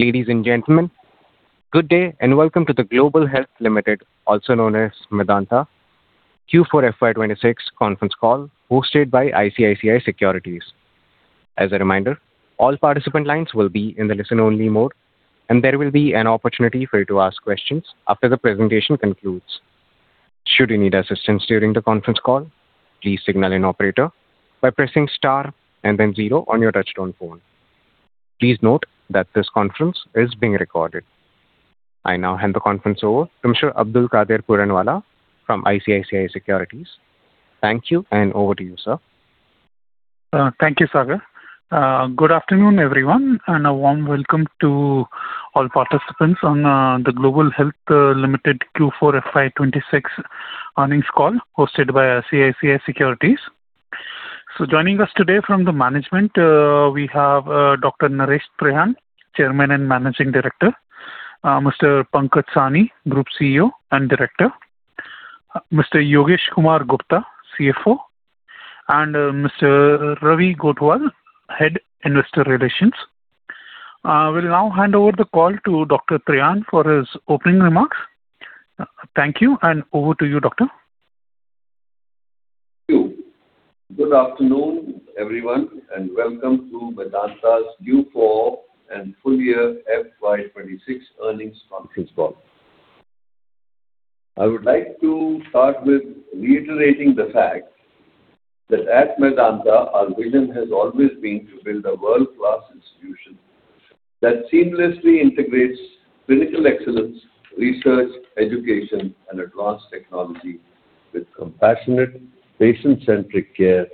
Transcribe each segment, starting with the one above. Ladies and gentlemen, good day, welcome to the Global Health Limited, also known as Medanta, Q4 FY 2026 conference call hosted by ICICI Securities. As a reminder, all participant lines will be in the listen only mode, and there will be an opportunity for you to ask questions after the presentation concludes. Should you need assistance during the conference call, please signal an operator by pressing star and then zero on your touchtone phone. Please note that this conference is being recorded. I now hand the conference over to Mr. Abdulkader Puranwala from ICICI Securities. Thank you, over to you, sir. Thank you, Sagar. Good afternoon, everyone, and a warm welcome to all participants on the Global Health Limited Q4 FY 2026 earnings call hosted by ICICI Securities. Joining us today from the management, we have Dr. Naresh Trehan, Chairman and Managing Director, Mr. Pankaj Sahni, Group CEO and Director, Mr. Yogesh Kumar Gupta, CFO, and Mr. Ravi Gothwal, Head Investor Relations. We'll now hand over the call to Dr. Trehan for his opening remarks. Thank you, and over to you, doctor. Thank you. Good afternoon, everyone, welcome to Medanta's Q4 and full year FY 2026 earnings conference call. I would like to start with reiterating the fact that at Medanta our vision has always been to build a world-class institution that seamlessly integrates clinical excellence, research, education, and advanced technology with compassionate patient-centric care,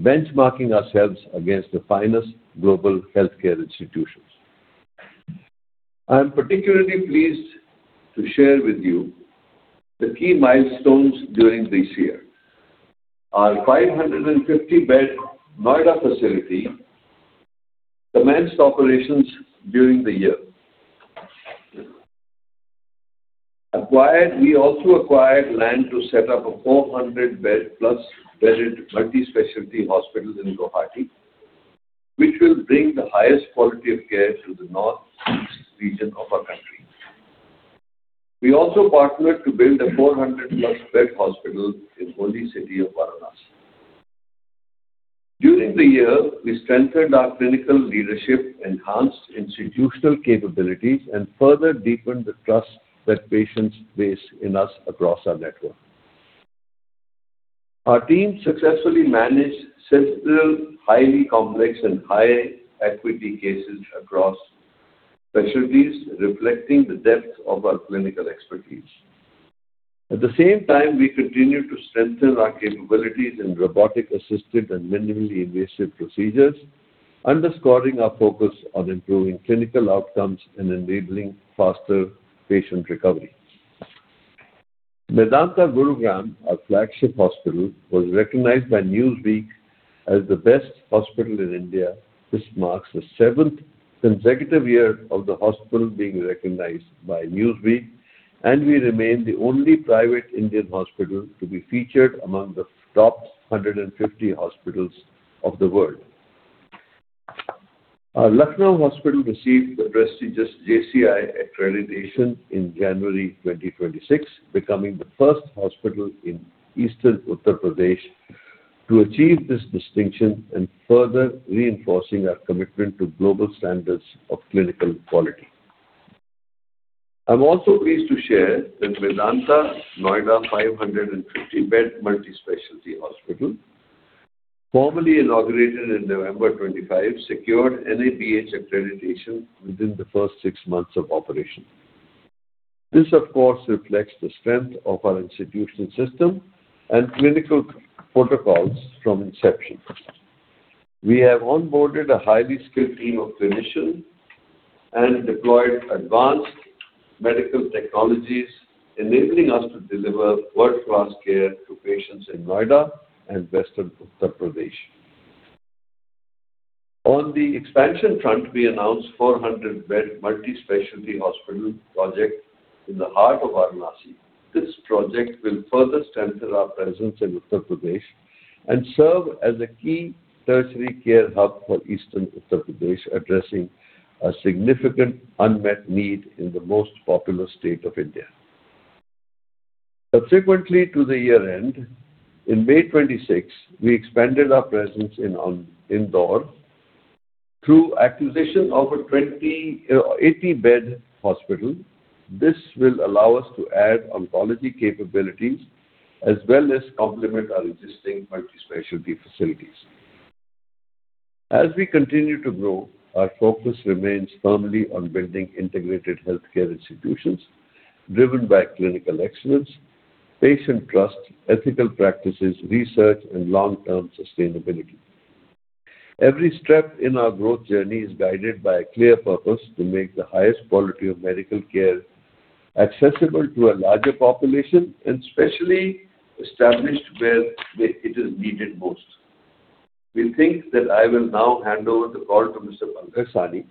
benchmarking ourselves against the finest global healthcare institutions. I am particularly pleased to share with you the key milestones during this year. Our 550-bed Noida facility commenced operations during the year. We also acquired land to set up a 400-bed plus bedded multi-specialty hospital in Guwahati, which will bring the highest quality of care to the northeast region of our country. We also partnered to build a 400-plus bed hospital in holy city of Varanasi. During the year, we strengthened our clinical leadership, enhanced institutional capabilities, and further deepened the trust that patients place in us across our network. Our team successfully managed several highly complex and high acuity cases across specialties, reflecting the depth of our clinical expertise. At the same time, we continue to strengthen our capabilities in robotic-assisted and minimally invasive procedures, underscoring our focus on improving clinical outcomes and enabling faster patient recovery. Medanta Gurugram, our flagship hospital, was recognized by Newsweek as the best hospital in India. This marks the seven consecutive year of the hospital being recognized by Newsweek, and we remain the only private Indian hospital to be featured among the top 150 hospitals of the world. Our Lucknow hospital received the prestigious JCI accreditation in January 2026, becoming the first hospital in Eastern Uttar Pradesh to achieve this distinction and further reinforcing our commitment to global standards of clinical quality. I'm also pleased to share that Medanta Noida 550-bed multi-specialty hospital, formally inaugurated in November 2025, secured NABH accreditation within the first six months of operation. This of course reflects the strength of our institution system and clinical protocols from inception. We have onboarded a highly skilled team of clinicians and deployed advanced medical technologies, enabling us to deliver world-class care to patients in Noida and Western Uttar Pradesh. On the expansion front, we announced 400-bed multi-specialty hospital project in the heart of Varanasi. This project will further strengthen our presence in Uttar Pradesh and serve as a key tertiary care hub for Eastern Uttar Pradesh, addressing a significant unmet need in the most populous state of India. Subsequently to the year-end, in May 2026, we expanded our presence in Indore through acquisition of a 280-bed hospital. This will allow us to add oncology capabilities as well as complement our existing multi-specialty facilities. As we continue to grow, our focus remains firmly on building integrated healthcare institutions driven by clinical excellence, patient trust, ethical practices, research, and long-term sustainability. Every step in our growth journey is guided by a clear purpose to make the highest quality of medical care accessible to a larger population, and especially established where it is needed most. With that, I will now hand over the call to Mr. Pankaj Sahni,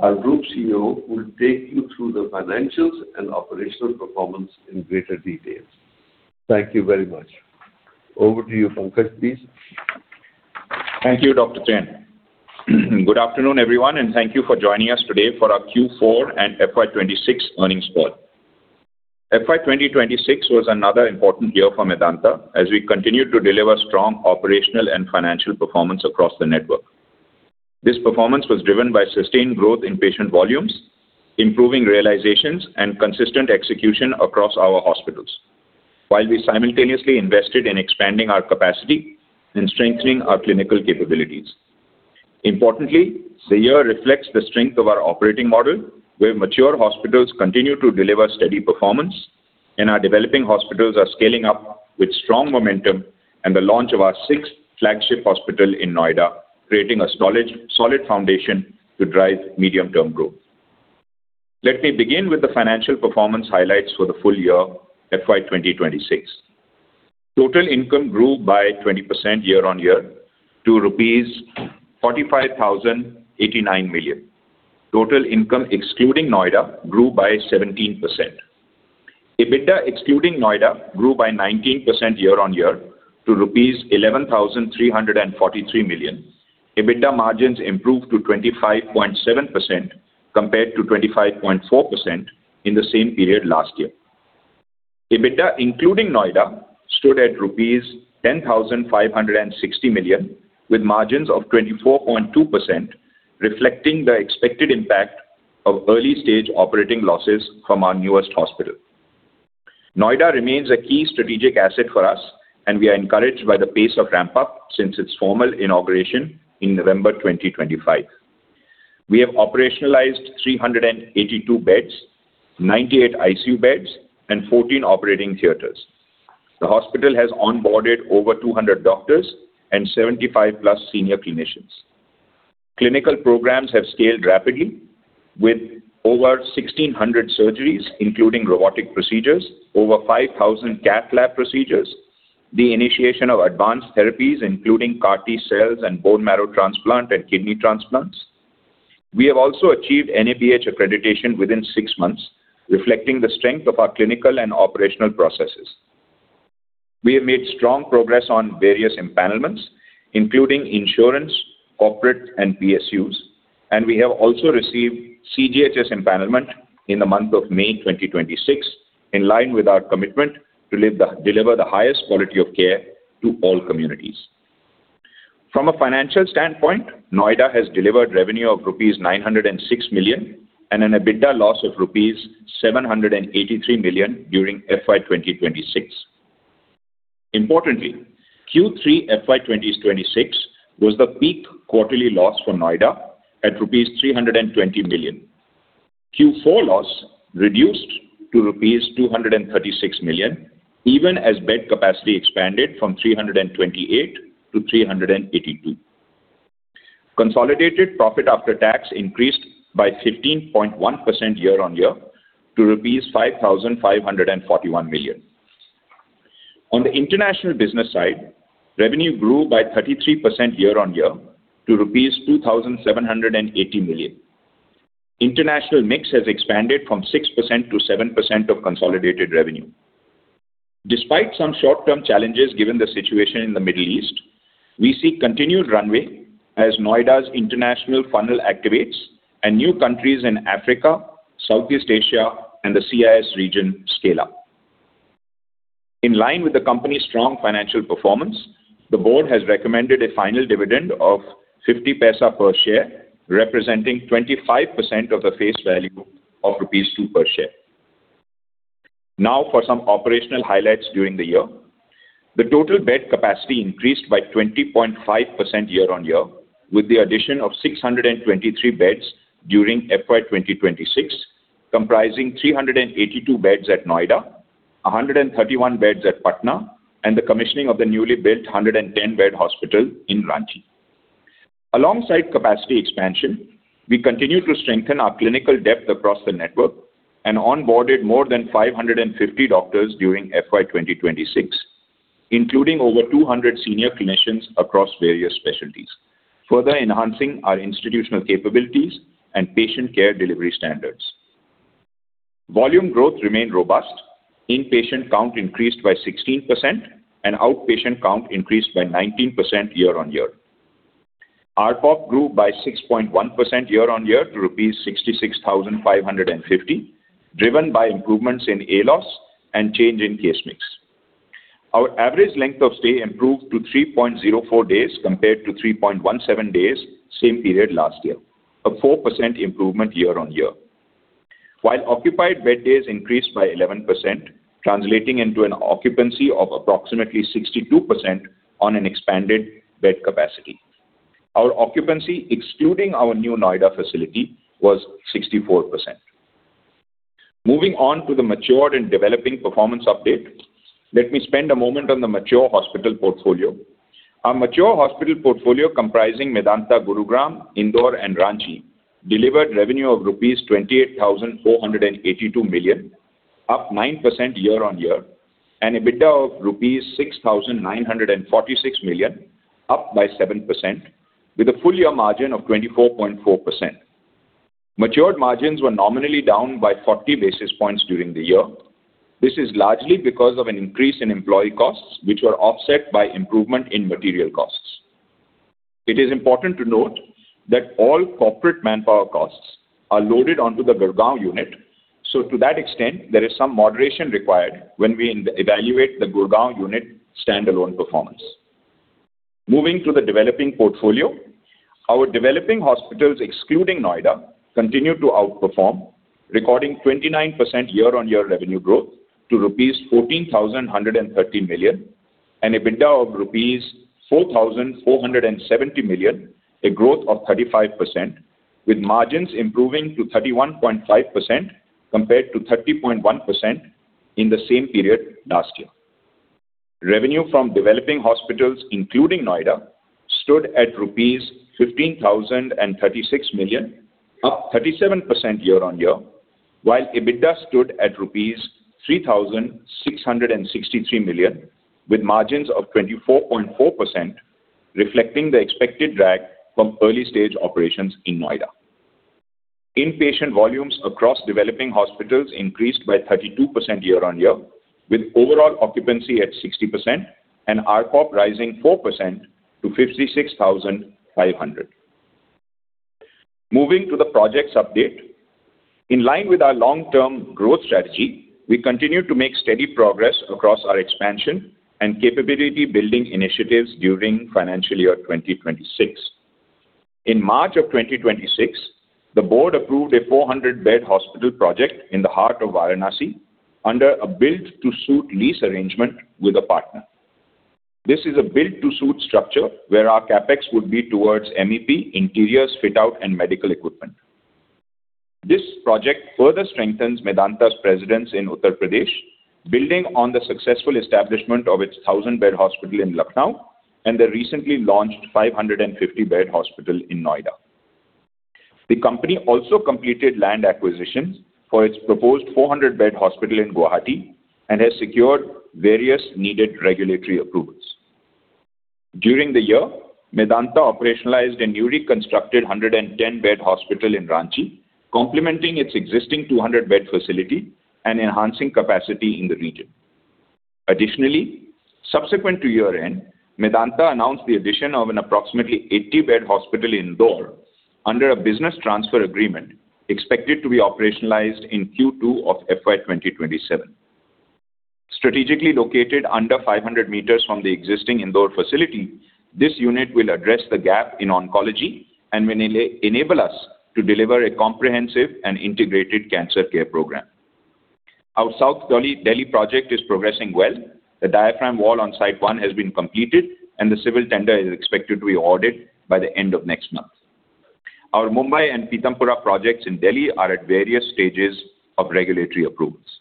our Group CEO, who will take you through the financials and operational performance in greater details. Thank you very much. Over to you, Pankaj, please. Thank you, Dr. Trehan. Good afternoon, everyone, thank you for joining us today for our Q4 and FY 2026 earnings call. FY 2026 was another important year for Medanta as we continued to deliver strong operational and financial performance across the network. This performance was driven by sustained growth in patient volumes, improving realizations, and consistent execution across our hospitals while we simultaneously invested in expanding our capacity and strengthening our clinical capabilities. Importantly, the year reflects the strength of our operating model, where mature hospitals continue to deliver steady performance and our developing hospitals are scaling up with strong momentum and the launch of our sixth flagship hospital in Noida, creating a solid foundation to drive medium-term growth. Let me begin with the financial performance highlights for the full year FY 2026. Total income grew by 20% year-on-year to rupees 45,089 million. Total income excluding Noida grew by 17%. EBITDA excluding Noida grew by 19% year-on-year to rupees 11,343 million. EBITDA margins improved to 25.7% compared to 25.4% in the same period last year. EBITDA including Noida stood at rupees 10,560 million with margins of 24.2%, reflecting the expected impact of early-stage operating losses from our newest hospital. Noida remains a key strategic asset for us, and we are encouraged by the pace of ramp-up since its formal inauguration in November 2025. We have operationalized 382 beds, 98 ICU beds, and 14 operating theaters. The hospital has onboarded over 200 doctors and 75+ senior clinicians. Clinical programs have scaled rapidly with over 1,600 surgeries, including robotic procedures, over 5,000 cath lab procedures, the initiation of advanced therapies, including CAR T-cells and bone marrow transplant and kidney transplants. We have also achieved NABH accreditation within six months, reflecting the strength of our clinical and operational processes. We have made strong progress on various empanelments, including insurance, corporate, and PSUs, and we have also received CGHS empanelment in the month of May 2026, in line with our commitment to deliver the highest quality of care to all communities. From a financial standpoint, Noida has delivered revenue of rupees 906 million and an EBITDA loss of rupees 783 million during FY 2026. Importantly, Q3 FY 2026 was the peak quarterly loss for Noida at rupees 320 million. Q4 loss reduced to rupees 236 million, even as bed capacity expanded from 328 to 382. Consolidated profit after tax increased by 15.1% year-on-year to rupees 5,541 million. On the international business side, revenue grew by 33% year-on-year to rupees 2,780 million. International mix has expanded from 6% to 7% of consolidated revenue. Despite some short-term challenges given the situation in the Middle East, we see continued runway as Noida's international funnel activates and new countries in Africa, Southeast Asia, and the CIS region scale up. In line with the company's strong financial performance, the board has recommended a final dividend of 0.50 per share, representing 25% of the face value of rupees 2 per share. Now for some operational highlights during the year. The total bed capacity increased by 20.5% year-on-year with the addition of 623 beds during FY 2026, comprising 382 beds at Noida, 131 beds at Patna, and the commissioning of the newly built 110-bed hospital in Ranchi. Alongside capacity expansion, we continued to strengthen our clinical depth across the network and onboarded more than 550 doctors during FY 2026, including over 200 senior clinicians across various specialties, further enhancing our institutional capabilities and patient care delivery standards. Volume growth remained robust. Inpatient count increased by 16% and outpatient count increased by 19% year-on-year. ARPOB grew by 6.1% year-on-year to rupees 66,550, driven by improvements in ALOS and change in case mix. Our average length of stay improved to 3.04 days compared to 3.17 days same period last year, a 4% improvement year-on-year. While occupied bed days increased by 11%, translating into an occupancy of approximately 62% on an expanded bed capacity. Our occupancy, excluding our new Noida facility, was 64%. Moving on to the matured and developing performance update. Let me spend a moment on the mature hospital portfolio. Our mature hospital portfolio comprising Medanta, Gurugram, Indore, and Ranchi, delivered revenue of rupees 28,482 million, up 9% year-on-year, and EBITDA of rupees 6,946 million, up by 7% with a full-year margin of 24.4%. Matured margins were nominally down by 40 basis points during the year. This is largely because of an increase in employee costs, which were offset by improvement in material costs. To that extent, there is some moderation required when we evaluate the Gurgaon unit standalone performance. Moving to the developing portfolio. Our developing hospitals, excluding Noida, continued to outperform, recording 29% year-on-year revenue growth to rupees 14,130 million and EBITDA of rupees 4,470 million, a growth of 35% with margins improving to 31.5% compared to 30.1% in the same period last year. Revenue from developing hospitals, including Noida, stood at rupees 15,036 million, up 37% year-on-year, while EBITDA stood at rupees 3,663 million with margins of 24.4%, reflecting the expected drag from early-stage operations in Noida. Inpatient volumes across developing hospitals increased by 32% year-on-year, with overall occupancy at 60% and RCOP rising 4% to 56,500. Moving to the projects update. In line with our long-term growth strategy, we continue to make steady progress across our expansion and capability building initiatives during FY 2026. In March of 2026, the board approved a 400-bed hospital project in the heart of Varanasi under a build-to-suit lease arrangement with a partner. This is a build-to-suit structure where our CapEx would be towards MEP, interiors fit-out, and medical equipment. This project further strengthens Medanta's presence in Uttar Pradesh, building on the successful establishment of its 1,000-bed hospital in Lucknow and the recently launched 550-bed hospital in Noida. The company also completed land acquisitions for its proposed 400-bed hospital in Guwahati and has secured various needed regulatory approvals. During the year, Medanta operationalized a newly constructed 110-bed hospital in Ranchi, complementing its existing 200-bed facility and enhancing capacity in the region. Subsequent to year-end, Medanta announced the addition of an approximately 80-bed hospital in Indore under a business transfer agreement expected to be operationalized in Q2 of FY 2027. Strategically located under 500 meters from the existing Indore facility, this unit will address the gap in oncology and will enable us to deliver a comprehensive and integrated cancer care program. Our South Delhi project is progressing well. The diaphragm wall on site 1 has been completed, and the civil tender is expected to be awarded by the end of next month. Our Mumbai and Pitampura projects in Delhi are at various stages of regulatory approvals.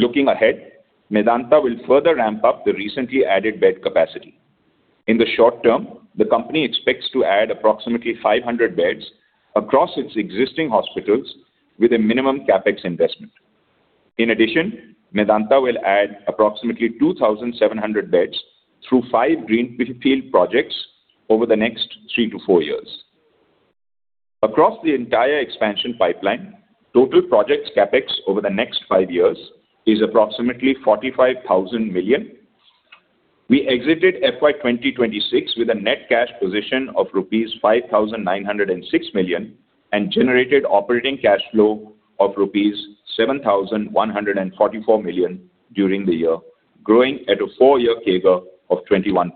Looking ahead, Medanta will further ramp up the recently added bed capacity. In the short term, the company expects to add approximately 500 beds across its existing hospitals with a minimum CapEx investment. In addition, Medanta will add approximately 2,700 beds through five greenfield projects over the next three to four years. Across the entire expansion pipeline, total project CapEx over the next five years is approximately 45,000 million. We exited FY 2026 with a net cash position of rupees 5,906 million and generated operating cash flow of rupees 7,144 million during the year, growing at a four-year CAGR of 21%.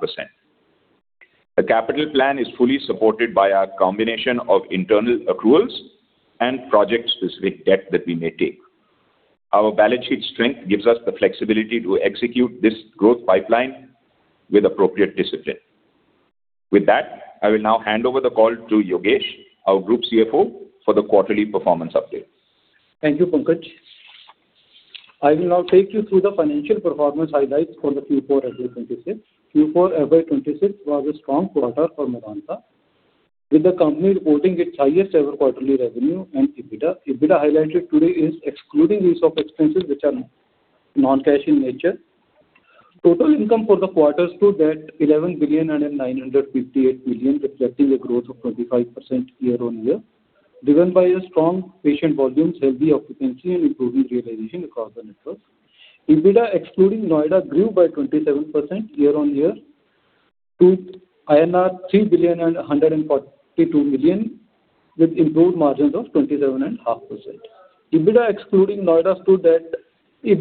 The capital plan is fully supported by our combination of internal accruals and project-specific debt that we may take. Our balance sheet strength gives us the flexibility to execute this growth pipeline with appropriate discipline. With that, I will now hand over the call to Yogesh, our Group CFO, for the quarterly performance update. Thank you, Pankaj. I will now take you through the financial performance highlights for the Q4 FY 2026. Q4 FY 2026 was a strong quarter for Medanta, with the company reporting its highest-ever quarterly revenue and EBITDA. EBITDA highlighted today is excluding ESOP expenses which are non-cash in nature. Total income for the quarter stood at 11 billion and 958 million, reflecting a growth of 25% year-on-year, driven by a strong patient volume, healthy occupancy, and improving realization across the network. EBITDA excluding Noida grew by 27% year-on-year to INR 3 billion and 142 million, with improved margins of 27.5%. EBITDA including Noida stood at 2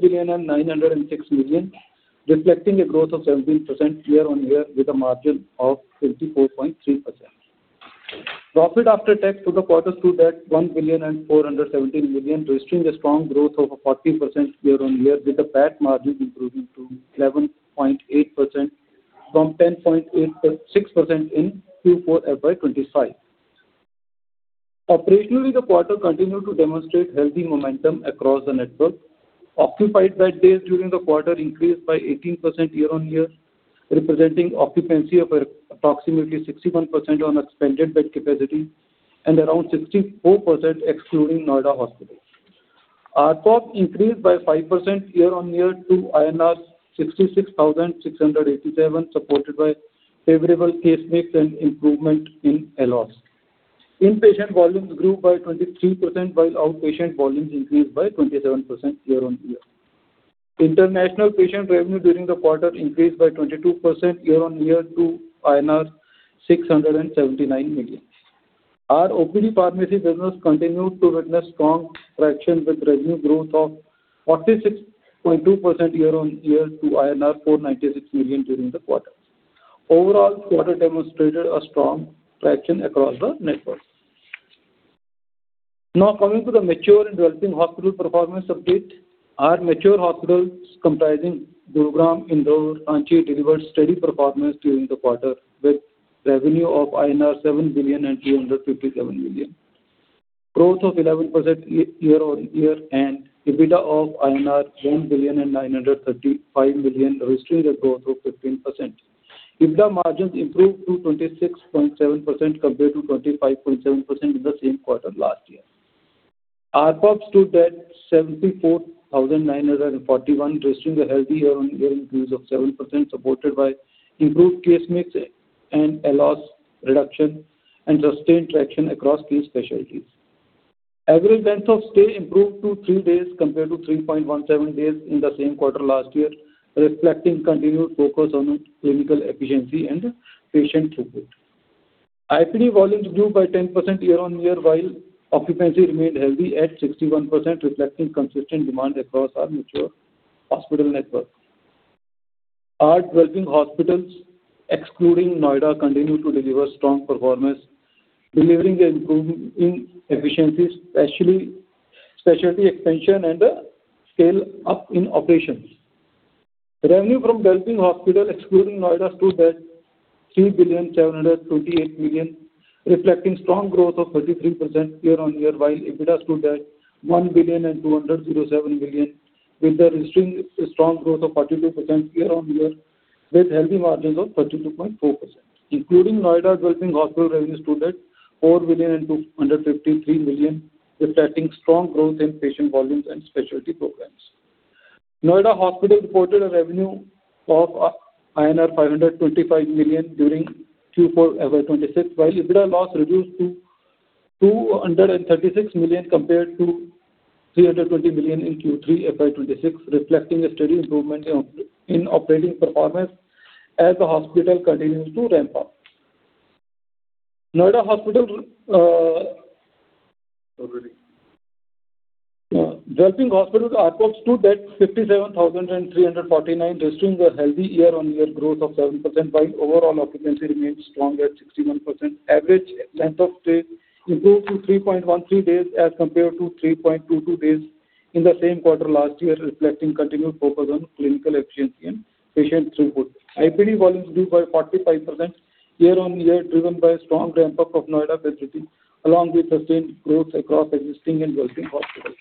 billion and 906 million, reflecting a growth of 17% year-on-year with a margin of 24.3%. Profit after tax for the quarter stood at 1,417 million, registering a strong growth of 14% year-on-year, with the PAT margin improving to 11.8% from 10.86% in Q4 FY 2025. Operationally, the quarter continued to demonstrate healthy momentum across the network. Occupied bed days during the quarter increased by 18% year-on-year, representing occupancy of approximately 61% on expanded bed capacity and around 64% excluding Noida hospital. Our cost increased by 5% year-on-year to INR 66,687, supported by favorable case mix and improvement in ALOS. Inpatient volumes grew by 23%, while outpatient volumes increased by 27% year-on-year. International patient revenue during the quarter increased by 22% year-on-year to INR 679 million. Our OPD pharmacy business continued to witness strong traction with revenue growth of 46.2% year-on-year to INR 496 million during the quarter. Overall, quarter demonstrated a strong traction across the network. Coming to the mature and developing hospital performance update. Our mature hospitals comprising Gurugram, Indore, Ranchi delivered steady performance during the quarter with revenue of INR 7,357 million. Growth of 11% year-on-year and EBITDA of INR 1,935 million, registering a growth of 15%. EBITDA margins improved to 26.7% compared to 25.7% in the same quarter last year. ARPOBs stood at 74,941, registering a healthy year-on-year increase of 7% supported by improved case mix and ALOS reduction and sustained traction across key specialties. Average length of stay improved to three days compared to 3.17 days in the same quarter last year, reflecting continued focus on clinical efficiency and patient throughput. IPD volumes grew by 10% year-on-year, while occupancy remained healthy at 61%, reflecting consistent demand across our mature hospital network. Our developing hospitals, excluding Noida, continued to deliver strong performance, delivering and improving efficiency, especially specialty expansion and scale-up in operations. Revenue from developing hospital excluding Noida stood at 3,728 million, reflecting strong growth of 33% year-on-year, while EBITDA stood at 1,207 million, registering strong growth of 42% year-on-year with healthy margins of 32.4%. Including Noida developing hospital revenue stood at 4,253 million, reflecting strong growth in patient volumes and specialty programs. Noida reported a revenue of INR 525 million during Q4 FY 2026, while EBITDA loss reduced to 236 million compared to 320 million in Q3 FY 2026, reflecting a steady improvement in operating performance as the hospital continues to ramp up. Developing hospital ARPOB stood at 57,349, registering a healthy year-on-year growth of 7%, while overall occupancy remained strong at 61%. Average length of stay improved to 3.13 days as compared to 3.22 days in the same quarter last year, reflecting continued focus on clinical efficiency and patient throughput. IPD volumes grew by 45% year-on-year, driven by strong ramp-up of Noida facility, along with sustained growth across existing and working hospitals.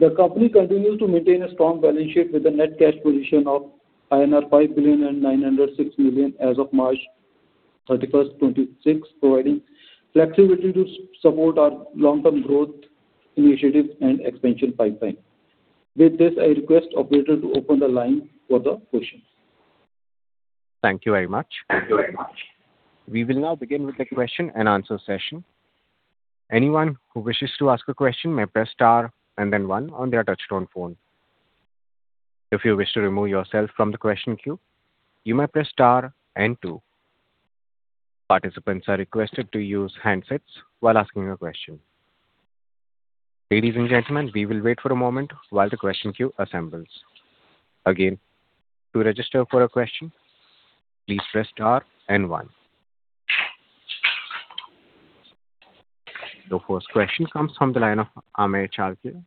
The company continues to maintain a strong balance sheet with a net cash position of INR 5.906 billion as of March 31st, 2026 providing flexibility to support our long-term growth initiatives and expansion pipeline. With this, I request operator to open the line for the questions. Thank you very much. Thank you very much. We will now begin with the question and answer session. Anyone who wishes to ask a question may press star and then one on their touch-tone phone. If you wish to remove yourself from the question queue, you may press star and two. Participants are requested to use handsets while asking a question. Ladies and gentlemen, we will wait for a moment while the question queue assembles. Again, to register for a question, please press star and one. The first question comes from the line of Amey Chalke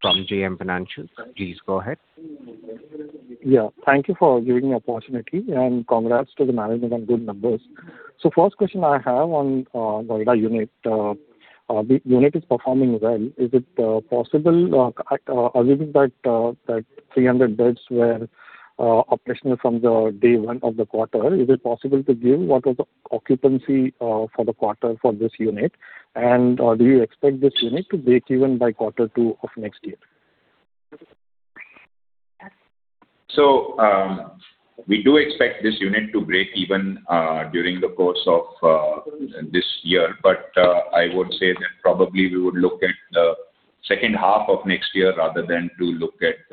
from JM Financial. Please go ahead. Yeah. Thank you for giving me opportunity, and congrats to the management on good numbers. First question I have on Noida unit. The unit is performing well. Is it possible, assuming that 300 beds were operational from the day one of the quarter, is it possible to give what was the occupancy for the quarter for this unit? Do you expect this unit to break even by quarter two of next year? We do expect this unit to break even during the course of this year. I would say that probably we would look at the second half of next year rather than to look at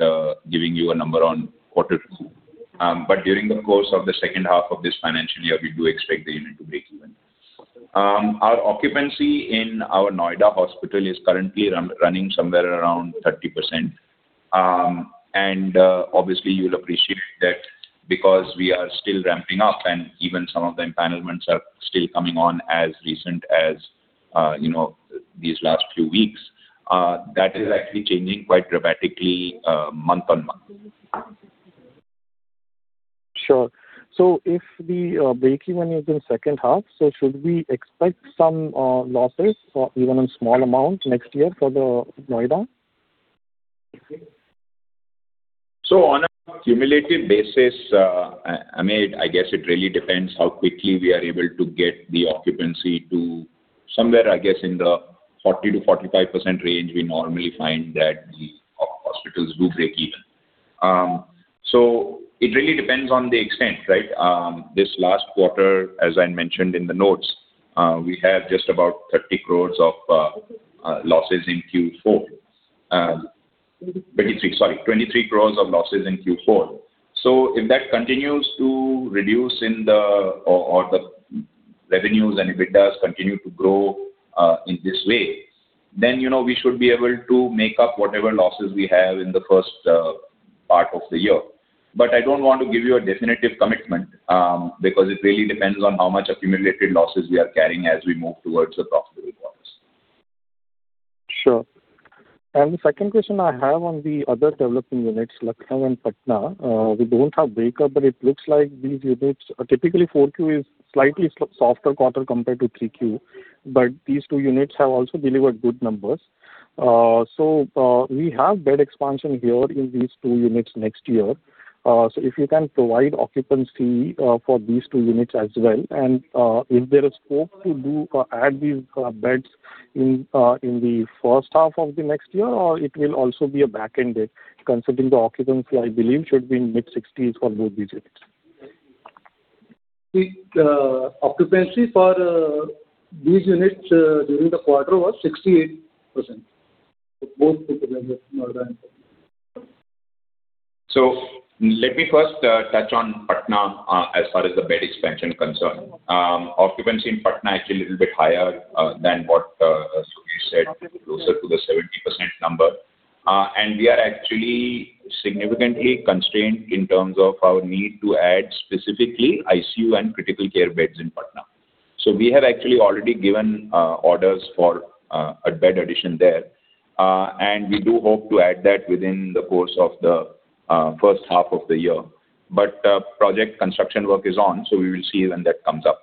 giving you a number on quarter two. During the course of the second half of this financial year, we do expect the unit to break even. Our occupancy in our Noida hospital is currently running somewhere around 30%. Obviously you'll appreciate that because we are still ramping up and even some of the empanelments are still coming on as recent as, you know, these last few weeks. That is actually changing quite dramatically month on month. Sure. If the breakeven is in the second half, so should we expect some losses or even in small amount next year for the Noida? On a cumulative basis, I mean, I guess it really depends how quickly we are able to get the occupancy to somewhere, I guess, in the 40%-45% range, we normally find that the hospitals do break even. So it really depends on the extent, right? This last quarter, as I mentioned in the notes, we have just about 30 crores of losses in Q4. 23, sorry. 23 crores of losses in Q4. If that continues to reduce in the revenues, and if it does continue to grow in this way, then, you know, we should be able to make up whatever losses we have in the first part of the year. I don't want to give you a definitive commitment, because it really depends on how much accumulated losses we are carrying as we move towards the profitability promise. Sure. The second question I have on the other developing units, Lucknow and Patna, we don't have breakup, but it looks like these units are typically 4Q is slightly so-softer quarter compared to 3Q, but these two units have also delivered good numbers. We have bed expansion here in these two units next year. If you can provide occupancy for these two units as well, if there is scope to do add these beds in the first half of the next year, or it will also be a back-ended, considering the occupancy I believe should be in mid-60s for both these units. The occupancy for these units during the quarter was 68% for both the units, Noida and Patna. Let me first touch on Patna as far as the bed expansion concerned. Occupancy in Patna actually a little bit higher than what you just said, closer to the 70% number. We are actually significantly constrained in terms of our need to add specifically ICU and critical care beds in Patna. We have actually already given orders for a bed addition there. We do hope to add that within the course of the first half of the year. Project construction work is on, we will see when that comes up.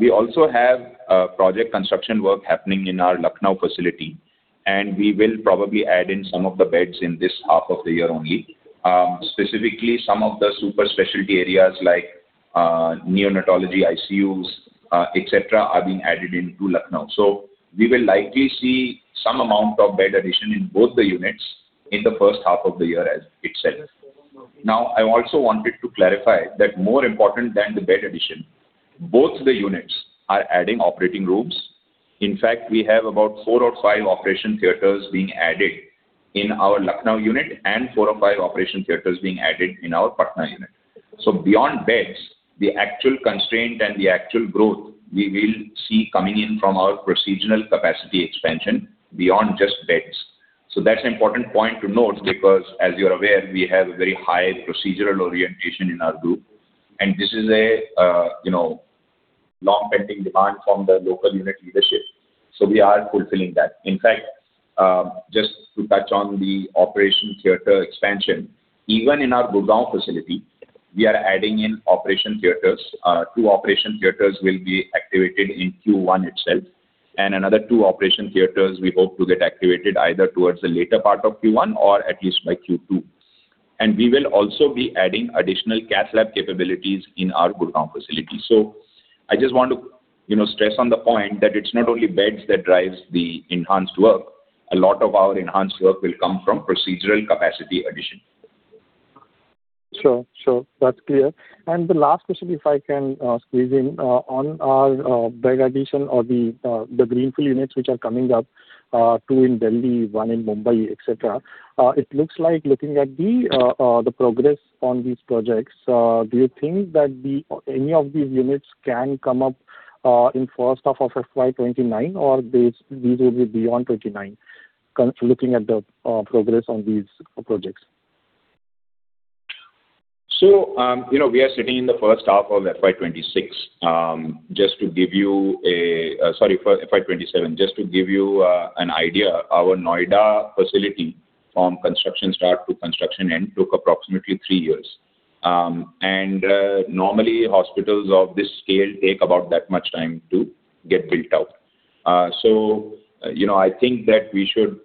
We also have project construction work happening in our Lucknow facility, we will probably add in some of the beds in this half of the year only. Specifically some of the super specialty areas like neonatology ICUs, et cetera, are being added into Lucknow. We will likely see some amount of bed addition in both the units in the first half of the year as itself. I also wanted to clarify that more important than the bed addition, both the units are adding operating rooms. In fact, we have about four or five operation theaters being added in our Lucknow unit and four or five operation theaters being added in our Patna unit. Beyond beds, the actual constraint and the actual growth we will see coming in from our procedural capacity expansion beyond just beds. That's an important point to note because as you're aware, we have a very high procedural orientation in our group, and this is a, you know, long pending demand from the local unit leadership. We are fulfilling that. In fact, just to touch on the operation theater expansion, even in our Gurugram facility, we are adding in operation theaters. Two operation theaters will be activated in Q1 itself, and another two operation theaters we hope to get activated either towards the later part of Q1 or at least by Q2. We will also be adding additional cath lab capabilities in our Gurugram facility. I just want to, you know, stress on the point that it's not only beds that drives the enhanced work. A lot of our enhanced work will come from procedural capacity addition. Sure. Sure. That's clear. The last question, if I can squeeze in on our bed addition or the greenfield units which are coming up, two in Delhi, one in Mumbai, et cetera. It looks like looking at the progress on these projects, do you think that any of these units can come up in first half of FY 2029, or these will be beyond 2029 looking at the progress on these projects? You know, we are sitting in the first half of FY 2026. Just to give you a first FY 2027. Just to give you an idea, our Noida facility from construction start to construction end took approximately three years. Normally hospitals of this scale take about that much time to get built out. You know, I think that we should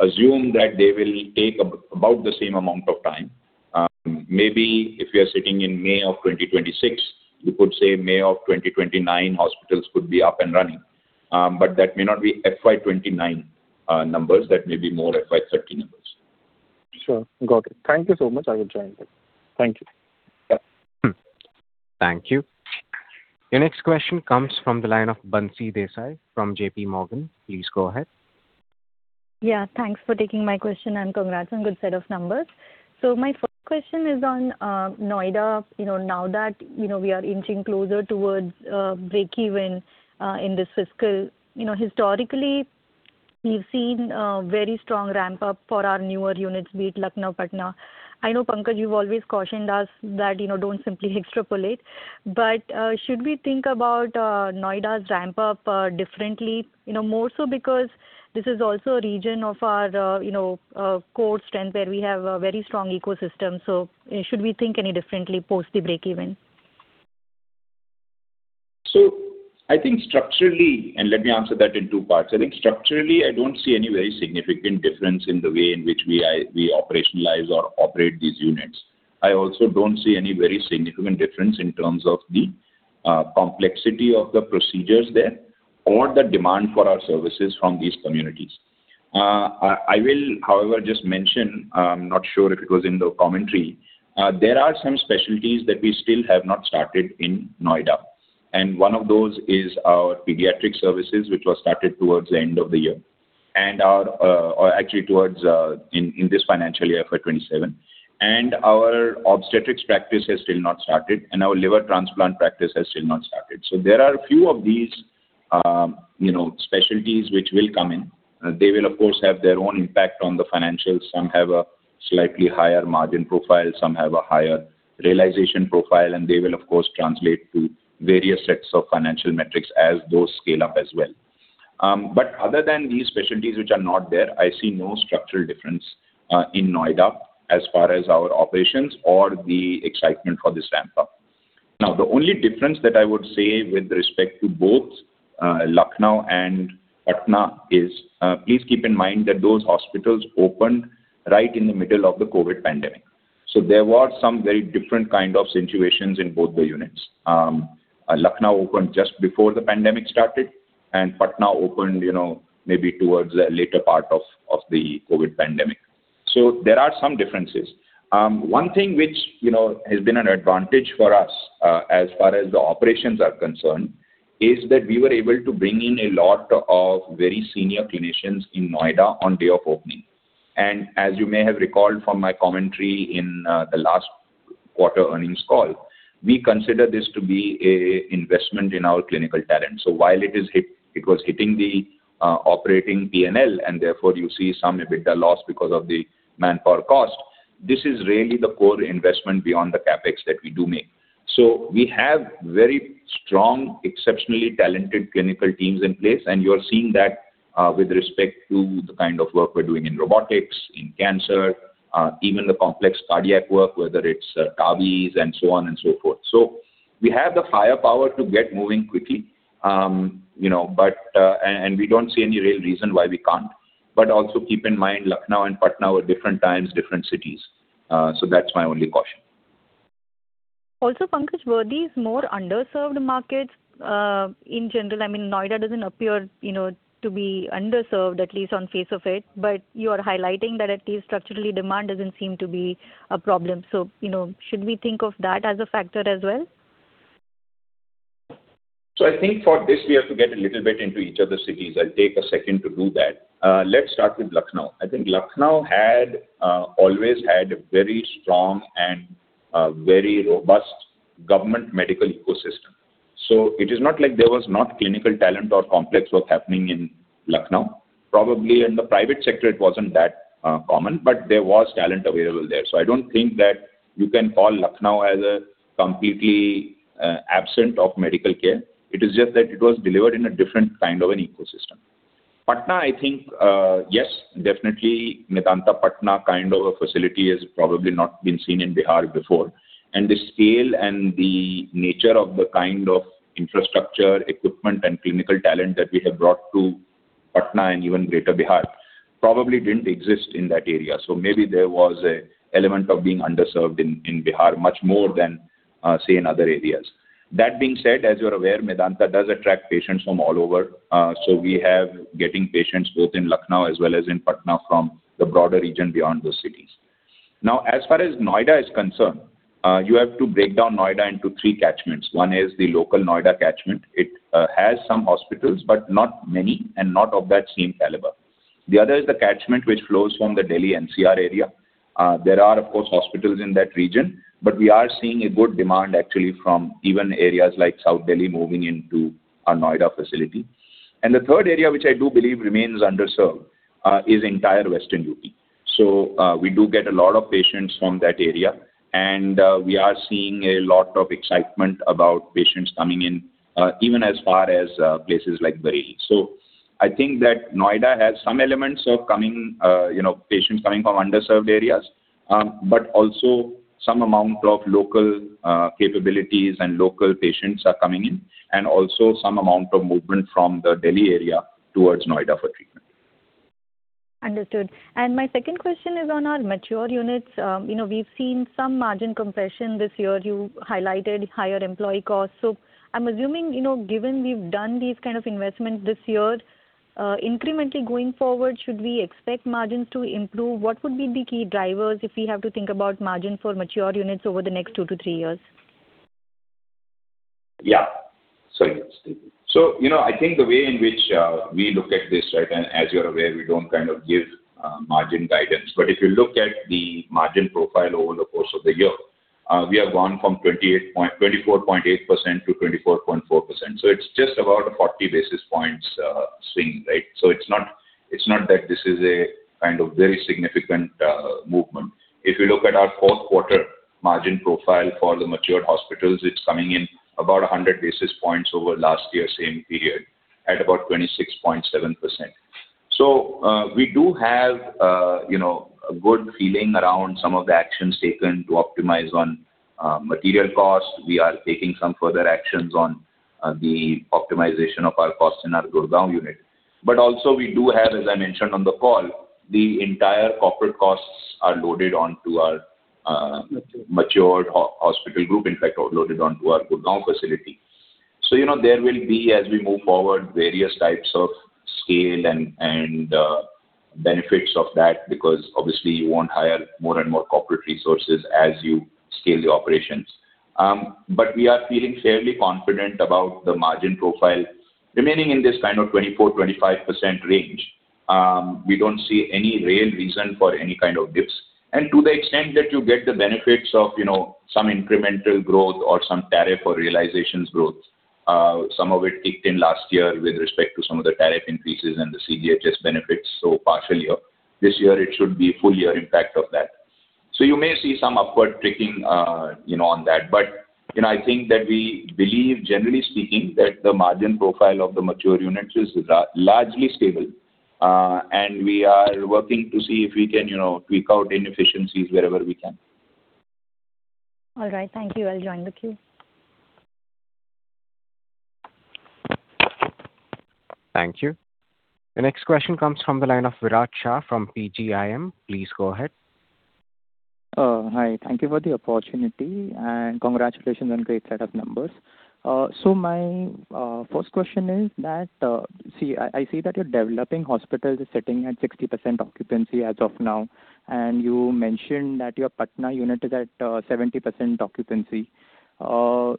assume that they will take about the same amount of time. Maybe if you are sitting in May of 2026, you could say May of 2029 hospitals could be up and running. That may not be FY 2029 numbers. That may be more FY 2030 numbers. Sure. Got it. Thank you so much. I will join back. Thank you. Yeah. Thank you. Your next question comes from the line of Bansi Desai from J.P. Morgan. Please go ahead. Yeah, thanks for taking my question and congrats on good set of numbers. My first question is on Noida. You know, now that, you know, we are inching closer towards breakeven in this fiscal. You know, historically, we've seen a very strong ramp up for our newer units, be it Lucknow, Patna. I know, Pankaj, you've always cautioned us that, you know, don't simply extrapolate. Should we think about Noida's ramp up differently? You know, more so because this is also a region of our, you know, core strength where we have a very strong ecosystem. Should we think any differently post the breakeven? I think structurally. Let me answer that in two parts. I think structurally, I don't see any very significant difference in the way in which we operationalize or operate these units. I also don't see any very significant difference in terms of the complexity of the procedures there or the demand for our services from these communities. I will, however, just mention, I'm not sure if it was in the commentary, there are some specialties that we still have not started in Noida, and one of those is our pediatric services, which was started towards the end of the year, and our or actually towards in this financial year, FY 2027. Our obstetrics practice has still not started, and our liver transplant practice has still not started. There are a few of these, you know, specialties which will come in. They will of course have their own impact on the financials. Some have a slightly higher margin profile, some have a higher realization profile, and they will of course translate to various sets of financial metrics as those scale up as well. Other than these specialties which are not there, I see no structural difference in Noida as far as our operations or the excitement for this ramp-up. The only difference that I would say with respect to both Lucknow and Patna is, please keep in mind that those hospitals opened right in the middle of the COVID pandemic. There were some very different kind of situations in both the units. Lucknow opened just before the pandemic started, and Patna opened, you know, maybe towards the later part of the COVID pandemic. There are some differences. One thing which, you know, has been an advantage for us, as far as the operations are concerned, is that we were able to bring in a lot of very senior clinicians in Noida on day of opening. As you may have recalled from my commentary in the last quarter earnings call, we consider this to be a investment in our clinical talent. While it was hitting the operating PNL, and therefore you see some EBITDA loss because of the manpower cost, this is really the core investment beyond the CapEx that we do make. We have very strong, exceptionally talented clinical teams in place, and you're seeing that with respect to the kind of work we're doing in robotics, in cancer, even the complex cardiac work, whether it's TAVIs and so on and so forth. We have the firepower to get moving quickly, you know, but we don't see any real reason why we can't. Also keep in mind, Lucknow and Patna were different times, different cities. That's my only caution. Pankaj, were these more underserved markets in general? I mean, Noida doesn't appear, you know, to be underserved, at least on face of it, but you are highlighting that at least structurally demand doesn't seem to be a problem. You know, should we think of that as a factor as well? I think for this we have to get a little bit into each of the cities. I'll take a second to do that. Let's start with Lucknow. I think Lucknow had always had a very strong and very robust government medical ecosystem. It is not like there was not clinical talent or complex work happening in Lucknow. Probably in the private sector it wasn't that common, but there was talent available there. I don't think that you can call Lucknow as a completely absent of medical care. It is just that it was delivered in a different kind of an ecosystem. Patna, I think, yes, definitely Medanta Patna kind of a facility has probably not been seen in Bihar before. The scale and the nature of the kind of infrastructure, equipment, and clinical talent that we have brought to Patna and even greater Bihar probably didn't exist in that area. Maybe there was a element of being underserved in Bihar much more than, say, in other areas. That being said, as you're aware, Medanta does attract patients from all over. We have getting patients both in Lucknow as well as in Patna from the broader region beyond those cities. As far as Noida is concerned, you have to break down Noida into three catchments. One is the local Noida catchment. It has some hospitals, but not many and not of that same caliber. The other is the catchment which flows from the Delhi NCR area. There are of course hospitals in that region, but we are seeing a good demand actually from even areas like South Delhi moving into our Noida facility. The third area, which I do believe remains underserved, is entire Western UP. We do get a lot of patients from that area, and we are seeing a lot of excitement about patients coming in even as far as places like Bareilly. I think that Noida has some elements of coming, you know, patients coming from underserved areas, but also some amount of local capabilities and local patients are coming in, and also some amount of movement from the Delhi area towards Noida for treatment. Understood. My second question is on our mature units. You know, we've seen some margin compression this year. You highlighted higher employee costs. I'm assuming, you know, given we've done these kind of investments this year, incrementally going forward, should we expect margins to improve? What would be the key drivers if we have to think about margin for mature units over the next two to three years? Yeah. Yes. You know, I think the way in which we look at this, right, and as you're aware, we don't kind of give margin guidance. If you look at the margin profile over the course of the year, we have gone from 24.8% to 24.4%. It's just about a 40 basis points swing, right? It's not that this is a kind of very significant movement. If you look at our fourth quarter margin profile for the matured hospitals, it's coming in about 100 basis points over last year same period at about 26.7%. We do have, you know, a good feeling around some of the actions taken to optimize on material costs. We are taking some further actions on the optimization of our costs in our Gurugram unit. Also we do have, as I mentioned on the call, the entire corporate costs are loaded onto our matured hospital group, in fact, are loaded onto our Gurugram facility. You know, there will be, as we move forward, various types of scale and benefits of that because obviously you won't hire more and more corporate resources as you scale the operations. We are feeling fairly confident about the margin profile remaining in this kind of 24%, 25% range. We don't see any real reason for any kind of dips. To the extent that you get the benefits of, you know, some incremental growth or some tariff or realizations growth, some of it kicked in last year with respect to some of the tariff increases and the CGHS benefits. Partially, this year it should be full year impact of that. You may see some upward ticking, you know, on that. You know, I think that we believe generally speaking, that the margin profile of the mature units is largely stable. We are working to see if we can, you know, tweak out inefficiencies wherever we can. All right. Thank you. I'll join the queue. Thank you. The next question comes from the line of Viraj Shah from PGIM. Please go ahead. Hi. Thank you for the opportunity and congratulations on great set of numbers. My first question is that, I see that your developing hospital is sitting at 60% occupancy as of now, and you mentioned that your Patna unit is at 70% occupancy. Along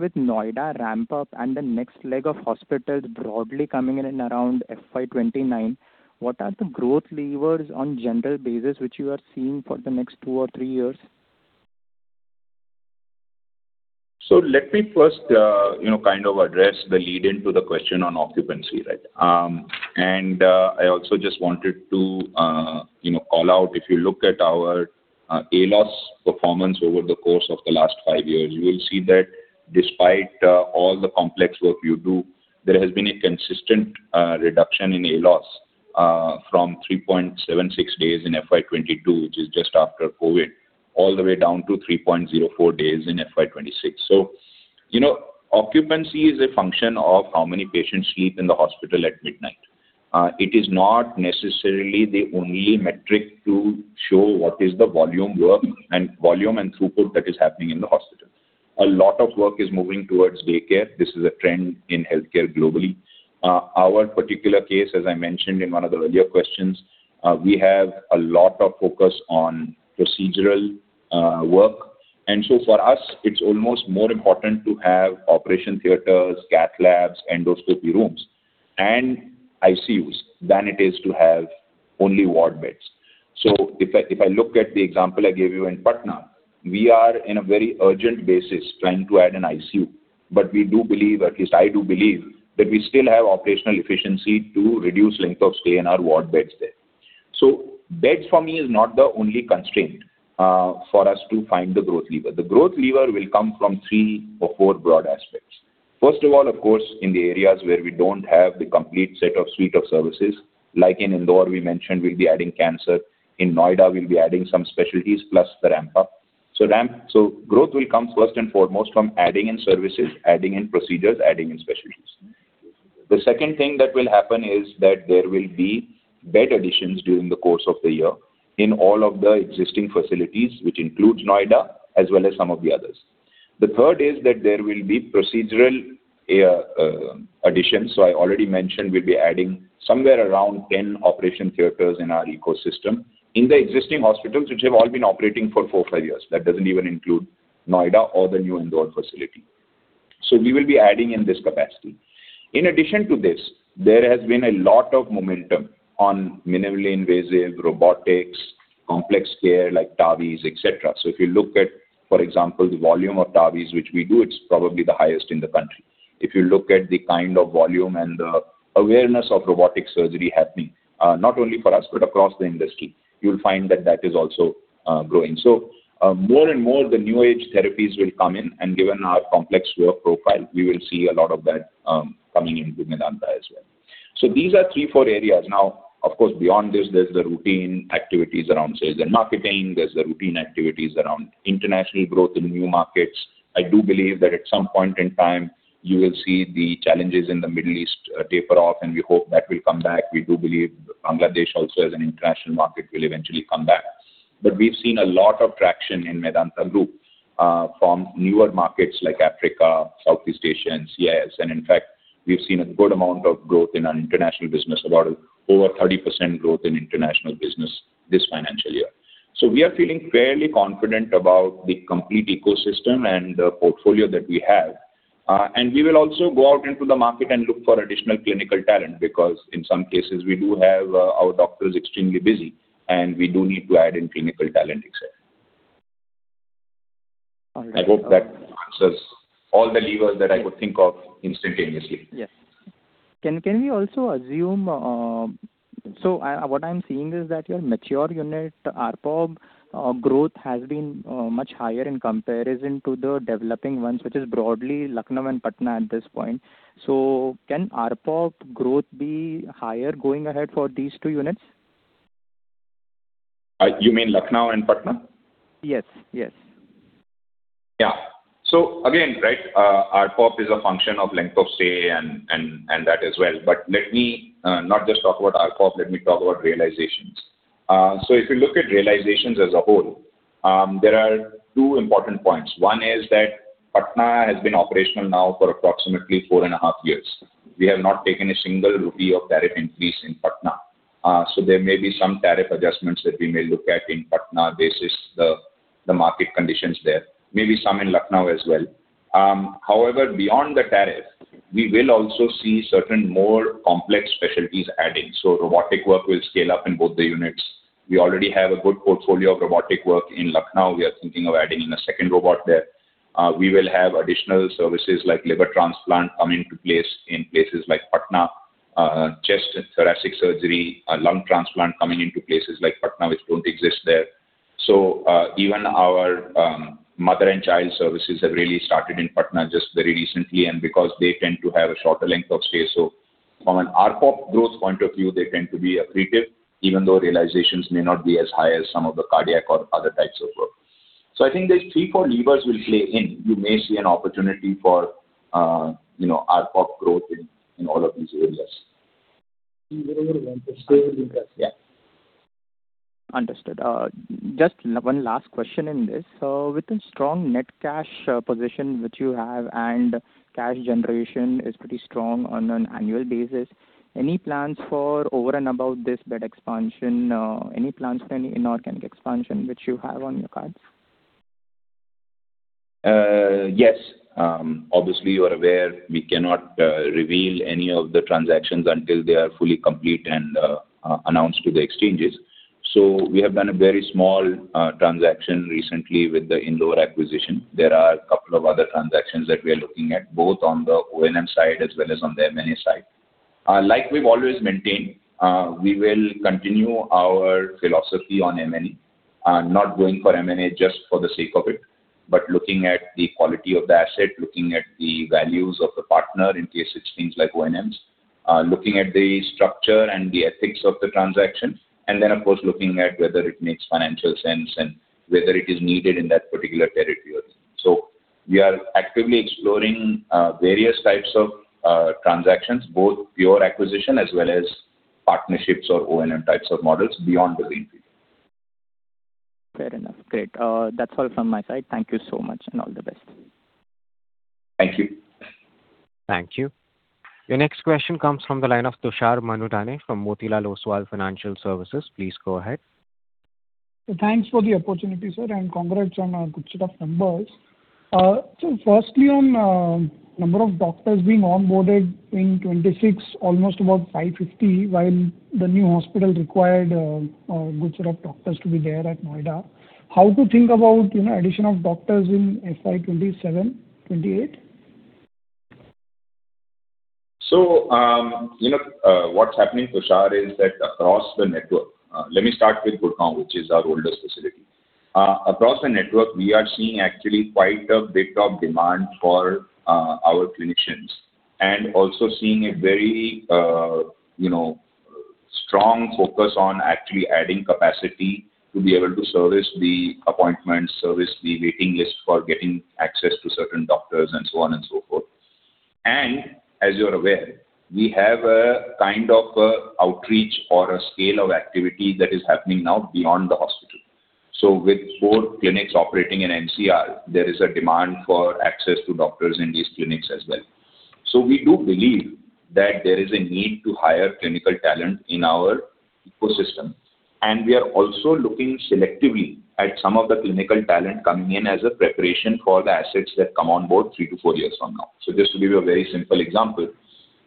with Noida ramp up and the next leg of hospitals broadly coming in in around FY 2029, what are the growth levers on general basis which you are seeing for the next two or three years? Let me first, you know, kind of address the lead-in to the question on occupancy, right. I also just wanted to, you know, call out, if you look at our ALOS performance over the course of the last five years, you will see that despite all the complex work you do, there has been a consistent reduction in ALOS from 3.76 days in FY 2022, which is just after COVID, all the way down to 3.04 days in FY 2026. You know, occupancy is a function of how many patients sleep in the hospital at midnight. It is not necessarily the only metric to show what is the volume work and volume and throughput that is happening in the hospital. A lot of work is moving towards daycare. This is a trend in healthcare globally. Our particular case, as I mentioned in one of the earlier questions, we have a lot of focus on procedural work. For us it's almost more important to have operation theaters, cath labs, endoscopy rooms and ICUs than it is to have only ward beds. If I look at the example I gave you in Patna, we are in a very urgent basis trying to add an ICU. We do believe, at least I do believe, that we still have operational efficiency to reduce length of stay in our ward beds there. Beds for me is not the only constraint for us to find the growth lever. The growth lever will come from three or four broad aspects. First of all, of course, in the areas where we don't have the complete set of suite of services, like in Indore we mentioned we'll be adding cancer. In Noida we'll be adding some specialties plus the ramp up. Growth will come first and foremost from adding in services, adding in procedures, adding in specialties. The second thing that will happen is that there will be bed additions during the course of the year in all of the existing facilities, which includes Noida as well as some of the others. The third is that there will be procedural additions. I already mentioned we'll be adding somewhere around 10 operation theaters in our ecosystem in the existing hospitals, which have all been operating for four, five years. That doesn't even include Noida or the new Indore facility. We will be adding in this capacity. In addition to this, there has been a lot of momentum on minimally invasive robotics, complex care like TAVRs, et cetera. If you look at, for example, the volume of TAVRs which we do, it's probably the highest in the country. If you look at the kind of volume and the awareness of robotic surgery happening, not only for us, but across the industry, you'll find that that is also growing. More and more the new age therapies will come in, and given our complex work profile, we will see a lot of that coming into Medanta as well. These are three, four areas. Of course, beyond this, there's the routine activities around sales and marketing. There's the routine activities around international growth in new markets. I do believe that at some point in time you will see the challenges in the Middle East taper off. We hope that will come back. We do believe Bangladesh also as an international market will eventually come back. We've seen a lot of traction in Medanta Group from newer markets like Africa, Southeast Asia and CIS. In fact, we've seen a good amount of growth in our international business, about over 30% growth in international business this financial year. We are feeling fairly confident about the complete ecosystem and the portfolio that we have. We will also go out into the market and look for additional clinical talent because in some cases we do have our doctors extremely busy, and we do need to add in clinical talent, et cetera. All right. I hope that answers all the levers that I could think of instantaneously. Yes. Can we also assume, what I'm seeing is that your mature unit ARPOB growth has been much higher in comparison to the developing ones, which is broadly Lucknow and Patna at this point. Can ARPOB growth be higher going ahead for these two units? You mean Lucknow and Patna? Yes. Yes. Yeah. Again, right, ARPOB is a function of length of stay and that as well. Let me not just talk about ARPOB, let me talk about realizations. If you look at realizations as a whole, there are two important points. One is that Patna has been operational now for approximately 4.5 years. We have not taken a single INR 1 of tariff increase in Patna. There may be some tariff adjustments that we may look at in Patna basis the market conditions there. Maybe some in Lucknow as well. However, beyond the tariff, we will also see certain more complex specialties adding. Robotic work will scale up in both the units. We already have a good portfolio of robotic work in Lucknow. We are thinking of adding in a second robot there. We will have additional services like liver transplant coming to place in places like Patna. Chest and thoracic surgery, lung transplant coming into places like Patna, which don't exist there. Even our mother and child services have really started in Patna just very recently, and because they tend to have a shorter length of stay, from an ARPOB growth point of view, they tend to be accretive even though realizations may not be as high as some of the cardiac or other types of work. I think these three, four levers will play in. You may see an opportunity for, you know, ARPOB growth in all of these areas. Understood. Just one last question in this. With the strong net cash position which you have and cash generation is pretty strong on an annual basis, any plans for over and above this bed expansion? Any plans for any inorganic expansion which you have on your cards? Yes. Obviously you are aware we cannot reveal any of the transactions until they are fully complete and announced to the exchanges. We have done a very small transaction recently with the Indore acquisition. There are a couple of other transactions that we are looking at both on the O&M side as well as on the M&A side. Like we've always maintained, we will continue our philosophy on M&A. Not going for M&A just for the sake of it, but looking at the quality of the asset, looking at the values of the partner in case it's things like O&Ms. Looking at the structure and the ethics of the transaction, and then of course looking at whether it makes financial sense and whether it is needed in that particular territory or not. We are actively exploring various types of transactions, both pure acquisition as well as partnerships or O&M types of models beyond the greenfield. Fair enough. Great. That's all from my side. Thank you so much. All the best. Thank you. Thank you. Your next question comes from the line of Tushar Manudhane from Motilal Oswal Financial Services. Please go ahead. Thanks for the opportunity, sir, and congrats on a good set of numbers. Firstly on, number of doctors being onboarded in 2026 almost about 550 while the new hospital required, good set of doctors to be there at Noida. How to think about, you know, addition of doctors in FY 2027, 2028? You know, what's happening, Tushar, is that across the network, let me start with Gurugram, which is our oldest facility. Across the network, we are seeing actually quite a bit of demand for our clinicians. Also seeing a very, you know, strong focus on actually adding capacity to be able to service the appointments, service the waiting list for getting access to certain doctors, and so on and so forth. As you're aware, we have a kind of a outreach or a scale of activity that is happening now beyond the hospital. With four clinics operating in NCR, there is a demand for access to doctors in these clinics as well. We do believe that there is a need to hire clinical talent in our ecosystem. We are also looking selectively at some of the clinical talent coming in as a preparation for the assets that come on board three to four years from now. Just to give you a very simple example,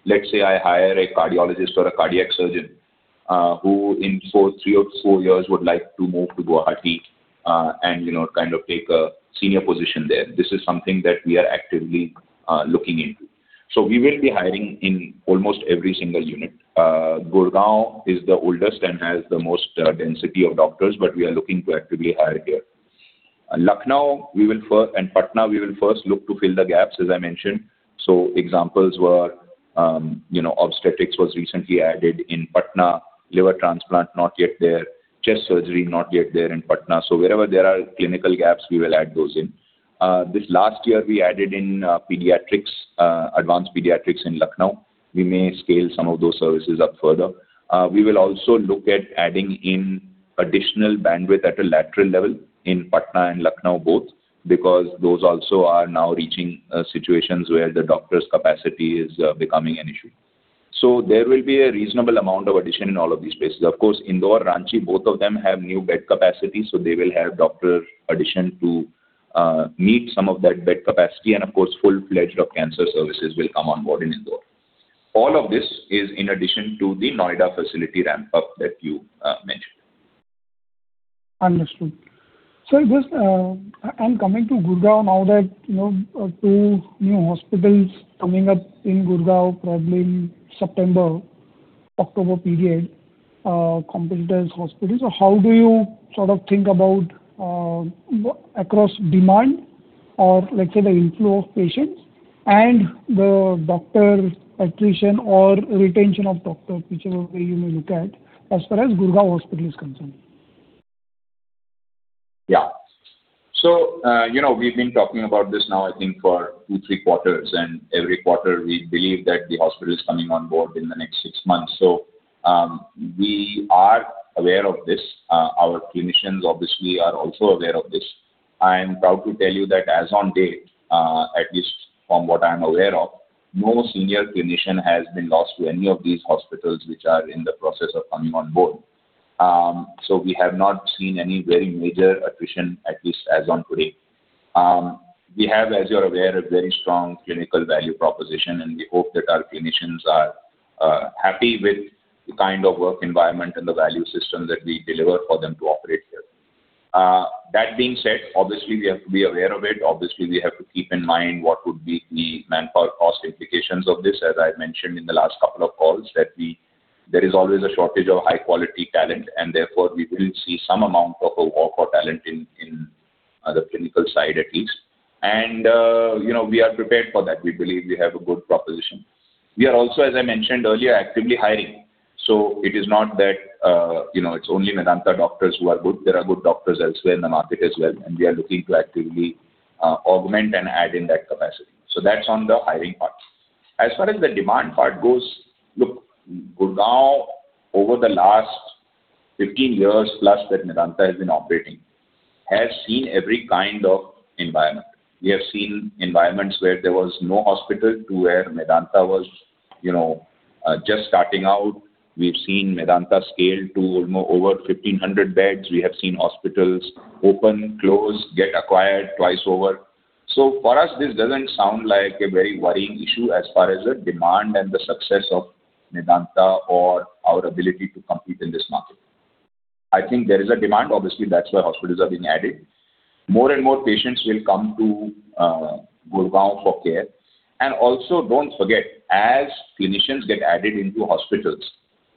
let's say I hire a cardiologist or a cardiac surgeon, who in three or four years would like to move to Guwahati, and you know, kind of take a senior position there. This is something that we are actively looking into. We will be hiring in almost every single unit. Gurugram is the oldest and has the most density of doctors, but we are looking to actively hire here. Lucknow, we will first and Patna, we will first look to fill the gaps, as I mentioned. Examples were, you know, obstetrics was recently added in Patna, liver transplant not yet there, chest surgery not yet there in Patna. Wherever there are clinical gaps, we will add those in. This last year we added in pediatrics, advanced pediatrics in Lucknow. We may scale some of those services up further. We will also look at adding in additional bandwidth at a lateral level in Patna and Lucknow both, because those also are now reaching situations where the doctors' capacity is becoming an issue. There will be a reasonable amount of addition in all of these places. Of course, Indore, Ranchi, both of them have new bed capacity, so they will have doctor addition to meet some of that bed capacity, and of course full-fledged cancer services will come on board in Indore. All of this is in addition to the Noida facility ramp up that you mentioned. Understood. Just, and coming to Gurgaon now that, you know, two new hospitals coming up in Gurgaon probably in September-October period, competitors' hospitals. How do you sort of think about across demand or let's say the inflow of patients and the doctor attrition or retention of doctors, whichever way you may look at, as far as Gurgaon hospital is concerned? Yeah. You know, we've been talking about this now I think for two, three quarters, and every quarter we believe that the hospital is coming on board in the next six months. We are aware of this. Our clinicians obviously are also aware of this. I am proud to tell you that as on date, at least from what I am aware of, no senior clinician has been lost to any of these hospitals which are in the process of coming on board. We have not seen any very major attrition, at least as on today. We have, as you are aware, a very strong clinical value proposition, and we hope that our clinicians are happy with the kind of work environment and the value system that we deliver for them to operate here. That being said, obviously we have to be aware of it. Obviously, we have to keep in mind what would be the manpower cost implications of this. As I mentioned in the last couple of calls that there is always a shortage of high-quality talent and therefore we will see some amount of a walk of talent in the clinical side at least. You know, we are prepared for that. We believe we have a good proposition. We are also, as I mentioned earlier, actively hiring. It is not that, you know, it's only Medanta doctors who are good. There are good doctors elsewhere in the market as well, we are looking to actively augment and add in that capacity. That's on the hiring part. As far as the demand part goes, look, Gurugram over the last 15 years+ that Medanta has been operating, has seen every kind of environment. We have seen environments where there was no hospital to where Medanta was, you know, just starting out. We've seen Medanta scale to, you know, over 1,500 beds. We have seen hospitals open, close, get acquired twice over. For us, this doesn't sound like a very worrying issue as far as the demand and the success of Medanta or our ability to compete in this market. I think there is a demand. Obviously, that's why hospitals are being added. More and more patients will come to Gurugram for care. Don't forget, as clinicians get added into hospitals,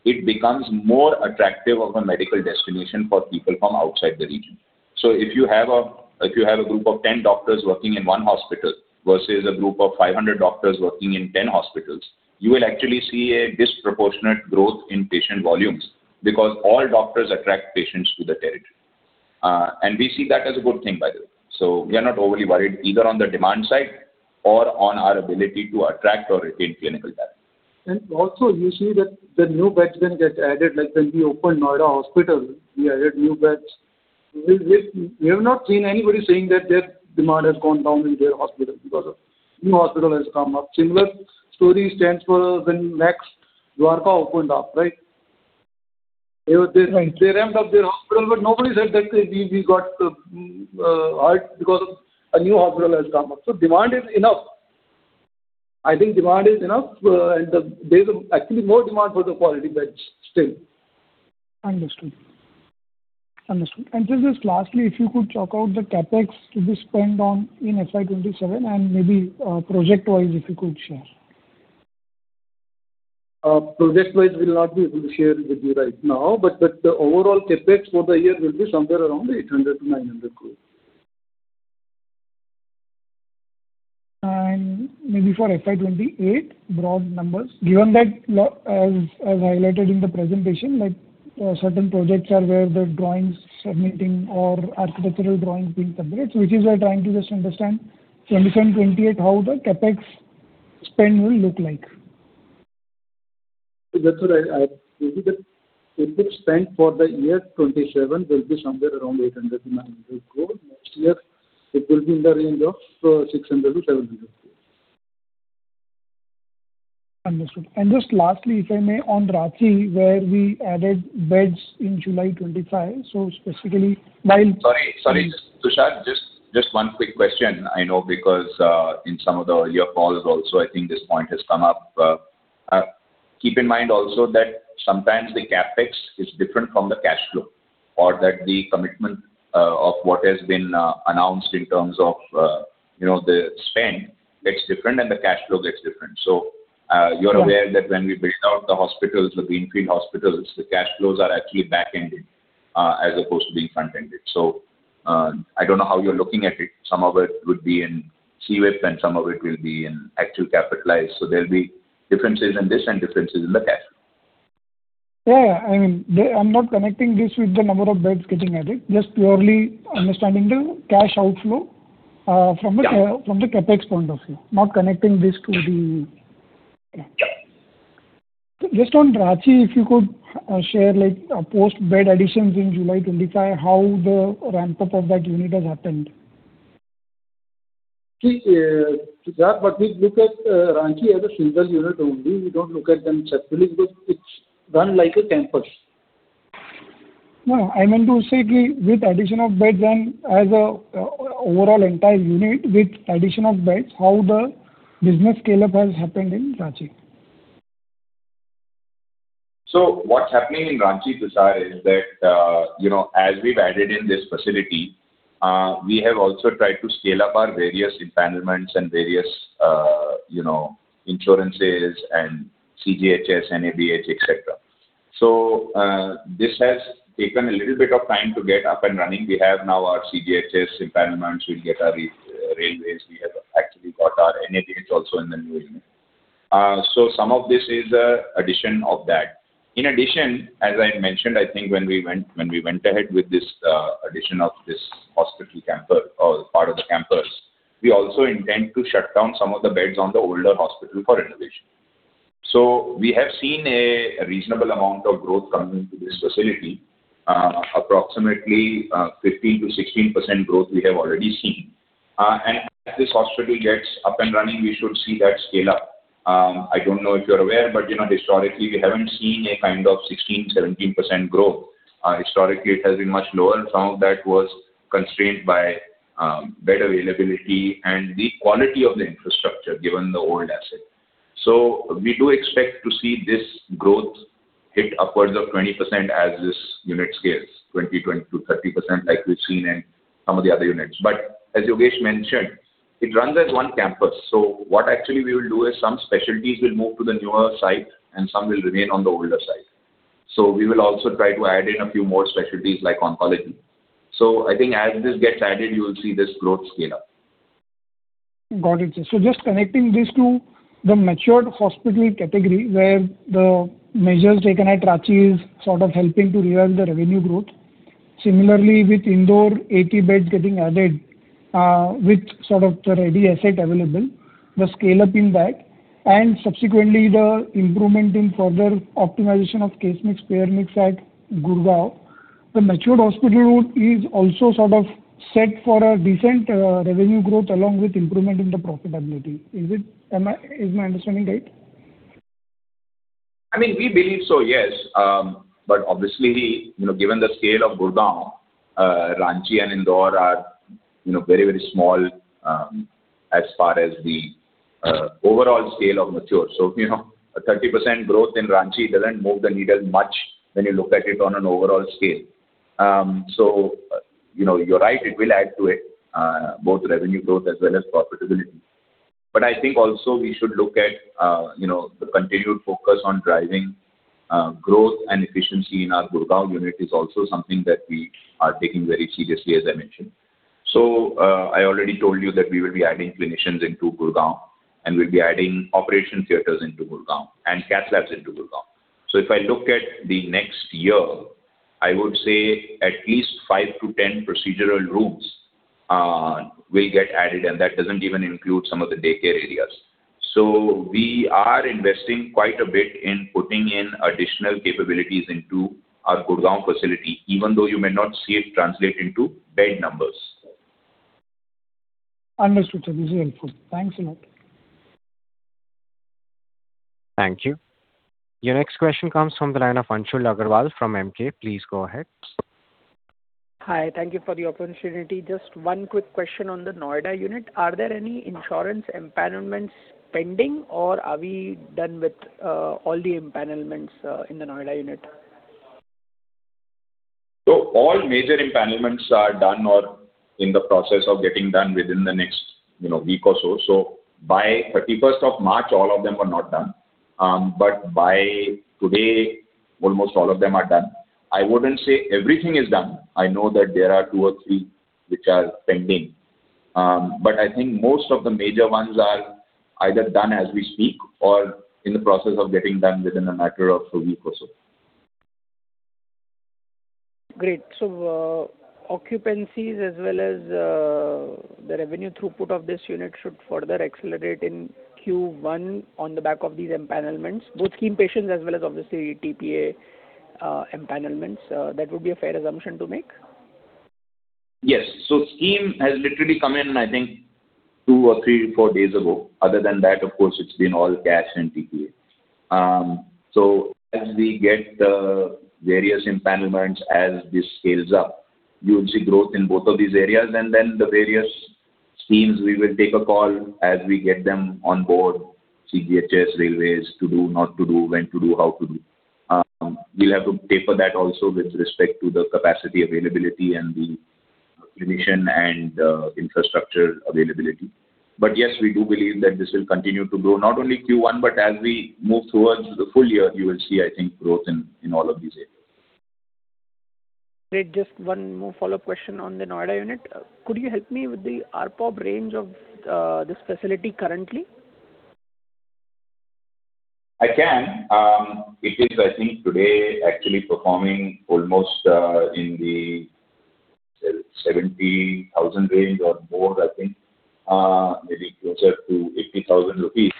it becomes more attractive of a medical destination for people from outside the region. If you have a, if you have a group of 10 doctors working in one hospital versus a group of 500 doctors working in 10 hospitals, you will actually see a disproportionate growth in patient volumes because all doctors attract patients to the territory. And we see that as a good thing, by the way. We are not overly worried either on the demand side or on our ability to attract or retain clinical talent. Also you see that the new beds when get added, like when we opened Noida hospital, we added new beds. We have not seen anybody saying that their demand has gone down in their hospital because a new hospital has come up. Similar story stands for when Max, Dwarka opened up, right? They ramped up their hospital, but nobody said that they, we got hurt because a new hospital has come up. Demand is enough. I think demand is enough. There's actually more demand for the quality beds still. Understood. Understood. Just lastly, if you could talk about the CapEx to be spent on in FY 2027 and maybe project-wise if you could share? Project-wise we'll not be able to share with you right now, but the overall CapEx for the year will be somewhere around 800 crore-900 crore. Maybe for FY 2028, broad numbers. Given that as highlighted in the presentation, like, certain projects are where the drawings submitting or architectural drawings being submitted. We just are trying to just understand 2027, 2028, how the CapEx spend will look like. That's what I usually the good spend for the year FY27 will be somewhere around 800 crore-900 crore. Next year it will be in the range of 600 crore-700 crore. Understood. Just lastly, if I may, on Ranchi where we added beds in July 2025. Specifically while. Sorry, Tushar, just one quick question. I know because in some of the earlier calls also, I think this point has come up. Keep in mind also that sometimes the CapEx is different from the cash flow or that the commitment of what has been announced in terms of, you know, the spend looks different and the cash flow looks different. Yeah. You're aware that when we build out the hospitals, the greenfield hospitals, the cash flows are actually back-ended, as opposed to being front-ended. I don't know how you're looking at it. Some of it would be in CWIP and some of it will be in actual capitalized. There'll be differences in this and differences in the cash. Yeah, yeah. I mean, I'm not connecting this with the number of beds getting added, just purely understanding the cash outflow. Yeah. From the CapEx point of view, not connecting this to the just on Ranchi, if you could, share like, post bed additions in July 2025, how the ramp-up of that unit has happened? See, Tushar, we look at Ranchi as a single unit only. We don't look at them separately because it's run like a campus. No, I meant to say with addition of beds and as a, overall entire unit with addition of beds, how the business scale-up has happened in Ranchi. What's happening in Ranchi, Tushar, is that, you know, as we've added in this facility, we have also tried to scale up our various empanelments and various, you know, insurances and CGHS, NABH, et cetera. This has taken a little bit of time to get up and running. We have now our CGHS empanelments, we'll get our railways. We have actually got our NABH also in the new unit. Some of this is addition of that. In addition, as I mentioned, I think when we went ahead with this, addition of this hospital campus or part of the campus, we also intend to shut down some of the beds on the older hospital for renovation. We have seen a reasonable amount of growth coming into this facility. Approximately 15-16% growth we have already seen. As this hospital gets up and running, we should see that scale up. I don't know if you're aware, you know, historically, we haven't seen a kind of 16-17% growth. Historically, it has been much lower, some of that was constrained by bed availability and the quality of the infrastructure given the old asset. We do expect to see this growth hit upwards of 20% as this unit scales, 20-30% like we've seen in some of the other units. As Yogesh mentioned, it runs as one campus. What actually we will do is some specialties will move to the newer site and some will remain on the older site. We will also try to add in a few more specialties like oncology. I think as this gets added, you will see this growth scale up. Got it, sir. Just connecting this to the matured hospital category, where the measures taken at Ranchi is sort of helping to rev the revenue growth. Similarly, with Indore 80 beds getting added, with sort of the ready asset available, the scale-up in that, and subsequently the improvement in further optimization of case mix, payer mix at Gurgaon, the matured hospital route is also sort of set for a decent revenue growth along with improvement in the profitability. Is my understanding right? I mean, we believe so, yes. Obviously, you know, given the scale of Gurugram, Ranchi and Indore are, you know, very, very small, as far as the overall scale of mature. You know, a 30% growth in Ranchi doesn't move the needle much when you look at it on an overall scale. You know, you're right, it will add to it, both revenue growth as well as profitability. I think also we should look at, you know, the continued focus on driving growth and efficiency in our Gurugram unit is also something that we are taking very seriously, as I mentioned. I already told you that we will be adding clinicians into Gurugram, and we'll be adding operation theaters into Gurugram and cath labs into Gurugram. If I look at the next year, I would say at least five to 10 procedural rooms will get added, and that doesn't even include some of the daycare areas. We are investing quite a bit in putting in additional capabilities into our Gurugram facility, even though you may not see it translate into bed numbers. Understood, sir. This is helpful. Thanks a lot. Thank you. Your next question comes from the line of Anshul Agrawal from Emkay. Please go ahead. Hi. Thank you for the opportunity. Just one quick question on the Noida unit. Are there any insurance empanelments pending, or are we done with all the empanelments in the Noida unit? All major empanelments are done or in the process of getting done within the next, you know, week or so. By 31st of March, all of them were not done. By today, almost all of them are done. I wouldn't say everything is done. I know that there are two or three which are pending. I think most of the major ones are either done as we speak or in the process of getting done within a matter of a week or so. Great. Occupancies as well as, the revenue throughput of this unit should further accelerate in Q1 on the back of these empanelments, both scheme patients as well as obviously TPA, empanelments. That would be a fair assumption to make? Yes. The scheme has literally come in, I think two or three, four days ago. Other than that, of course, it's been all cash and TPA. As we get the various empanelments, as this scales up, you will see growth in both of these areas. The various schemes, we will take a call as we get them on board, CGHS, railways, to do, not to do, when to do, how to do. We'll have to taper that also with respect to the capacity availability and the clinician and infrastructure availability. We do believe that this will continue to grow, not only Q1, but as we move towards the full year, you will see, I think, growth in all of these areas. Great. Just one more follow-up question on the Noida unit. Could you help me with the ARPOB range of this facility currently? I can. It is, I think today actually performing almost, in the 70,000 range or more, I think, maybe closer to 80,000 rupees.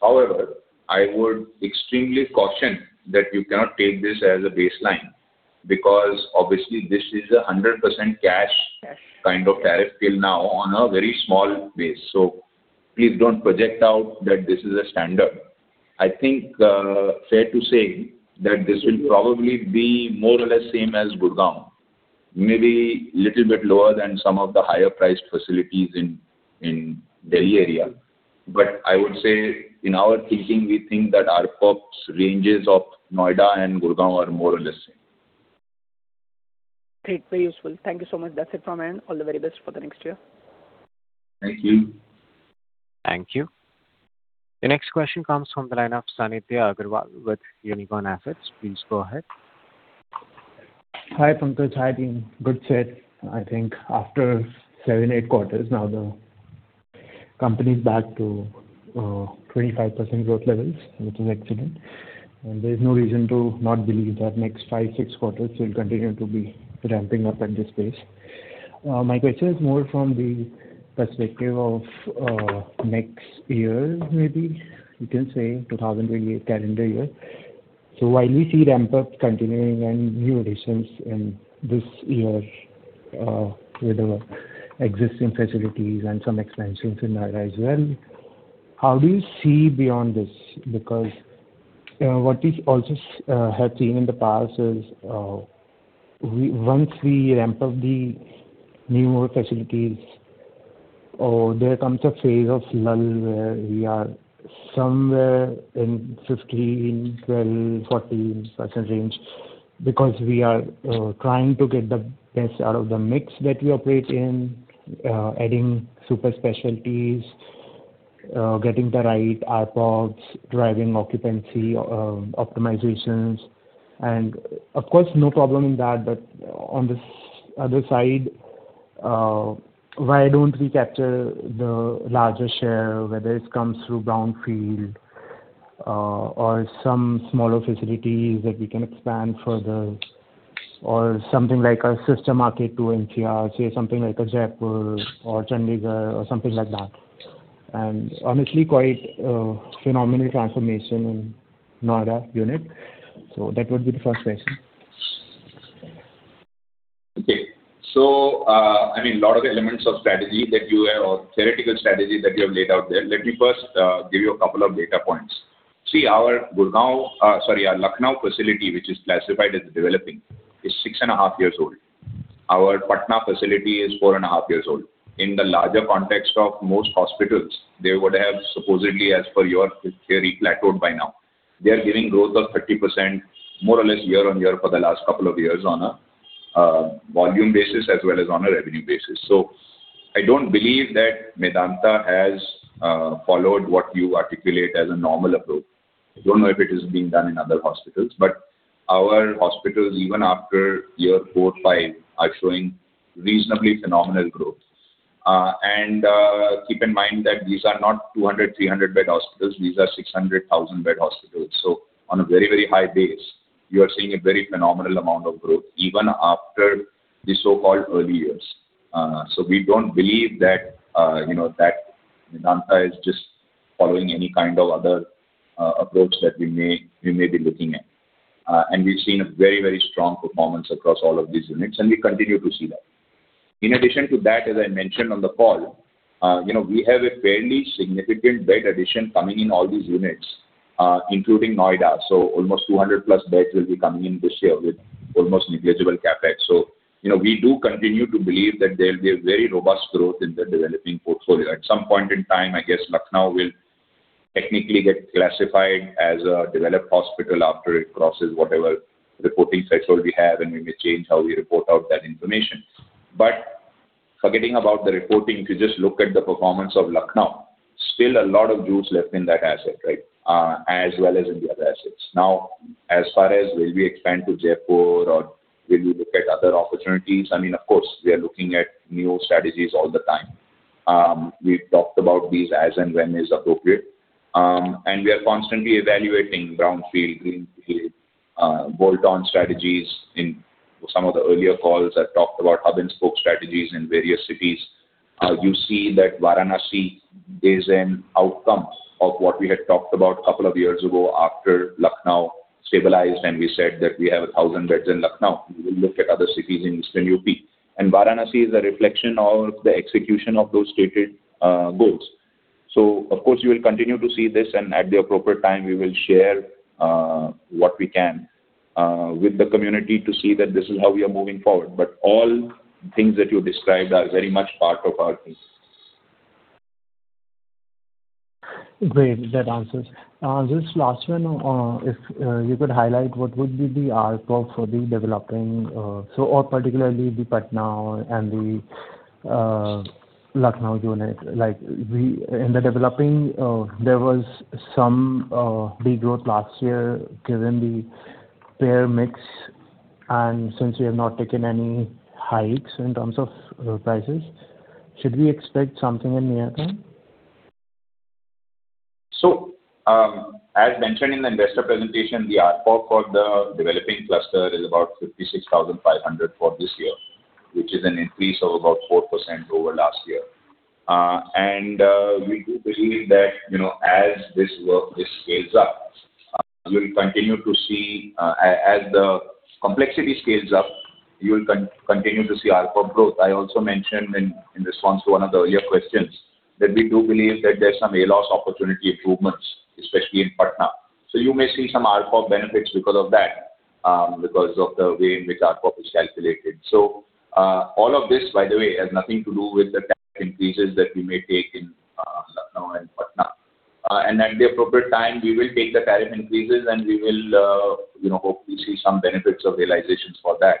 However, I would extremely caution that you cannot take this as a baseline because obviously this is a 100% cash- Cash. Kind of tariff till now on a very small base. Please don't project out that this is a standard. I think fair to say that this will probably be more or less same as Gurugram, maybe little bit lower than some of the higher priced facilities in Delhi area. I would say in our thinking, we think that ARPOBs ranges of Noida and Gurugram are more or less same. Great. Very useful. Thank you so much. That's it from me and all the very best for the next year. Thank you. Thank you. The next question comes from the line of [Sandeep Aggarwal] with Unicorn Assets. Please go ahead. Hi, Pankaj. Hi, team. Good set. I think after seven, eight quarters now the company is back to 25% growth levels, which is excellent. There's no reason to not believe that next five, six quarters will continue to be ramping up at this pace. My question is more from the perspective of next year maybe, you can say 2028 calendar year. While we see ramp-up continuing and new additions in this year, with the existing facilities and some expansions in Noida as well, how do you see beyond this? What we also have seen in the past is once we ramp up the new more facilities or there comes a phase of lull where we are somewhere in 15%, 12%, 14% range because we are trying to get the best out of the mix that we operate in, adding super specialties, getting the right ARPOBs, driving occupancy, optimizations. Of course, no problem in that. On this other side, why don't we capture the larger share, whether it comes through brownfield or some smaller facilities that we can expand further or something like a sister market to NCR, say something like a Jaipur or Chandigarh or something like that. Honestly, quite a phenomenal transformation in Noida unit. That would be the first question. Okay. I mean, lot of elements of strategy that you have or theoretical strategy that you have laid out there. Let me first give you a couple of data points. See, our Gurgaon, sorry, our Lucknow facility, which is classified as developing, is six and a half years old. Our Patna facility is four and a half years old. In the larger context of most hospitals, they would have supposedly, as per your theory, plateaued by now. They are giving growth of 30% more or less year-on-year for the last couple of years on a volume basis as well as on a revenue basis. I don't believe that Medanta has followed what you articulate as a normal approach. I don't know if it is being done in other hospitals, but our hospitals, even after year four, five, are showing reasonably phenomenal growth. Keep in mind that these are not 200, 300-bed hospitals. These are 600, 1,000-bed hospitals. On a very, very high base, you are seeing a very phenomenal amount of growth even after the so-called early years. We don't believe that, you know, that Medanta is just following any kind of other approach that we may, we may be looking at. We've seen a very, very strong performance across all of these units, and we continue to see that. In addition to that, as I mentioned on the call, you know, we have a fairly significant bed addition coming in all these units, including Noida. Almost 200+ beds will be coming in this year with almost negligible CapEx. You know, we do continue to believe that there'll be a very robust growth in the developing portfolio. At some point in time, I guess Lucknow will technically get classified as a developed hospital after it crosses whatever reporting threshold we have, and we may change how we report out that information. Forgetting about the reporting, if you just look at the performance of Lucknow, still a lot of juice left in that asset, right, as well as in the other assets. As far as will we expand to Jaipur or will we look at other opportunities, I mean, of course, we are looking at new strategies all the time. We've talked about these as and when is appropriate. And we are constantly evaluating brownfield, greenfield, bolt-on strategies. In some of the earlier calls, I talked about hub-and-spoke strategies in various cities. You see that Varanasi is an outcome of what we had talked about couple of years ago after Lucknow stabilized. We said that we have 1,000 beds in Lucknow. We will look at other cities in Eastern UP. Varanasi is a reflection of the execution of those stated goals. Of course, you will continue to see this, and at the appropriate time, we will share what we can with the community to see that this is how we are moving forward. All things that you described are very much part of our piece. Great. That answers. This last one, if you could highlight what would be the ARPOB for the developing, so or particularly the Patna and the Lucknow unit? In the developing, there was some de-growth last year given the payer mix, and since you have not taken any hikes in terms of prices, should we expect something in near term? As mentioned in the investor presentation, the ARPOB for the developing cluster is about 56,500 for this year, which is an increase of about 4% over last year. We do believe that, you know, as this work, this scales up, as the complexity scales up, you'll continue to see ARPOB growth. I also mentioned in response to one of the earlier questions that we do believe that there's some ALOS opportunity improvements, especially in Patna. So you may see some ARPOB benefits because of that, because of the way in which ARPOB is calculated. All of this, by the way, has nothing to do with the tariff increases that we may take in Lucknow and Patna. At the appropriate time, we will take the tariff increases, and we will, you know, hopefully see some benefits of realizations for that.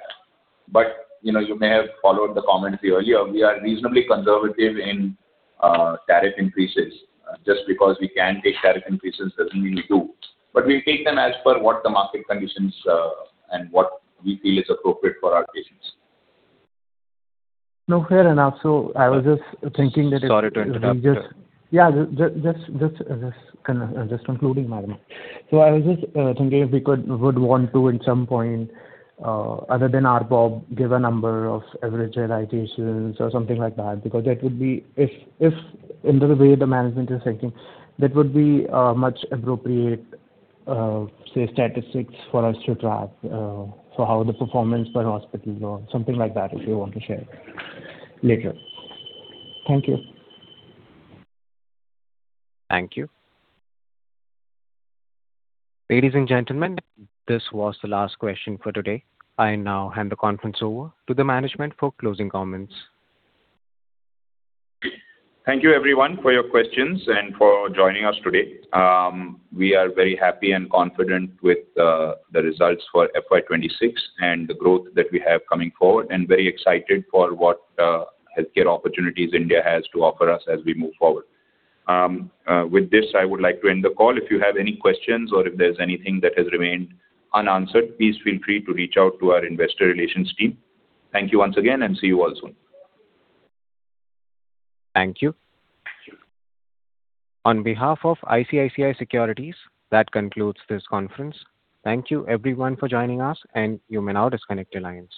You know, you may have followed the commentary earlier. We are reasonably conservative in tariff increases. Just because we can take tariff increases doesn't mean we do. We take them as per what the market conditions, and what we feel is appropriate for our patients. No, fair enough. Sorry to interrupt you. Yeah. Just concluding, [pardon me]. I was just thinking if we would want to at some point, other than ARPOB, give a number of average realizations or something like that, because that would be if in the way the management is thinking, that would be a much appropriate, say, statistics for us to track, for how the performance per hospital or something like that, if you want to share later. Thank you. Thank you. Ladies and gentlemen, this was the last question for today. I now hand the conference over to the management for closing comments. Thank you, everyone, for your questions and for joining us today. We are very happy and confident with the results for FY 2026 and the growth that we have coming forward, and very excited for what healthcare opportunities India has to offer us as we move forward. With this, I would like to end the call. If you have any questions or if there's anything that has remained unanswered, please feel free to reach out to our investor relations team. Thank you once again, and see you all soon. Thank you. On behalf of ICICI Securities, that concludes this conference. Thank you everyone for joining us, and you may now disconnect your lines.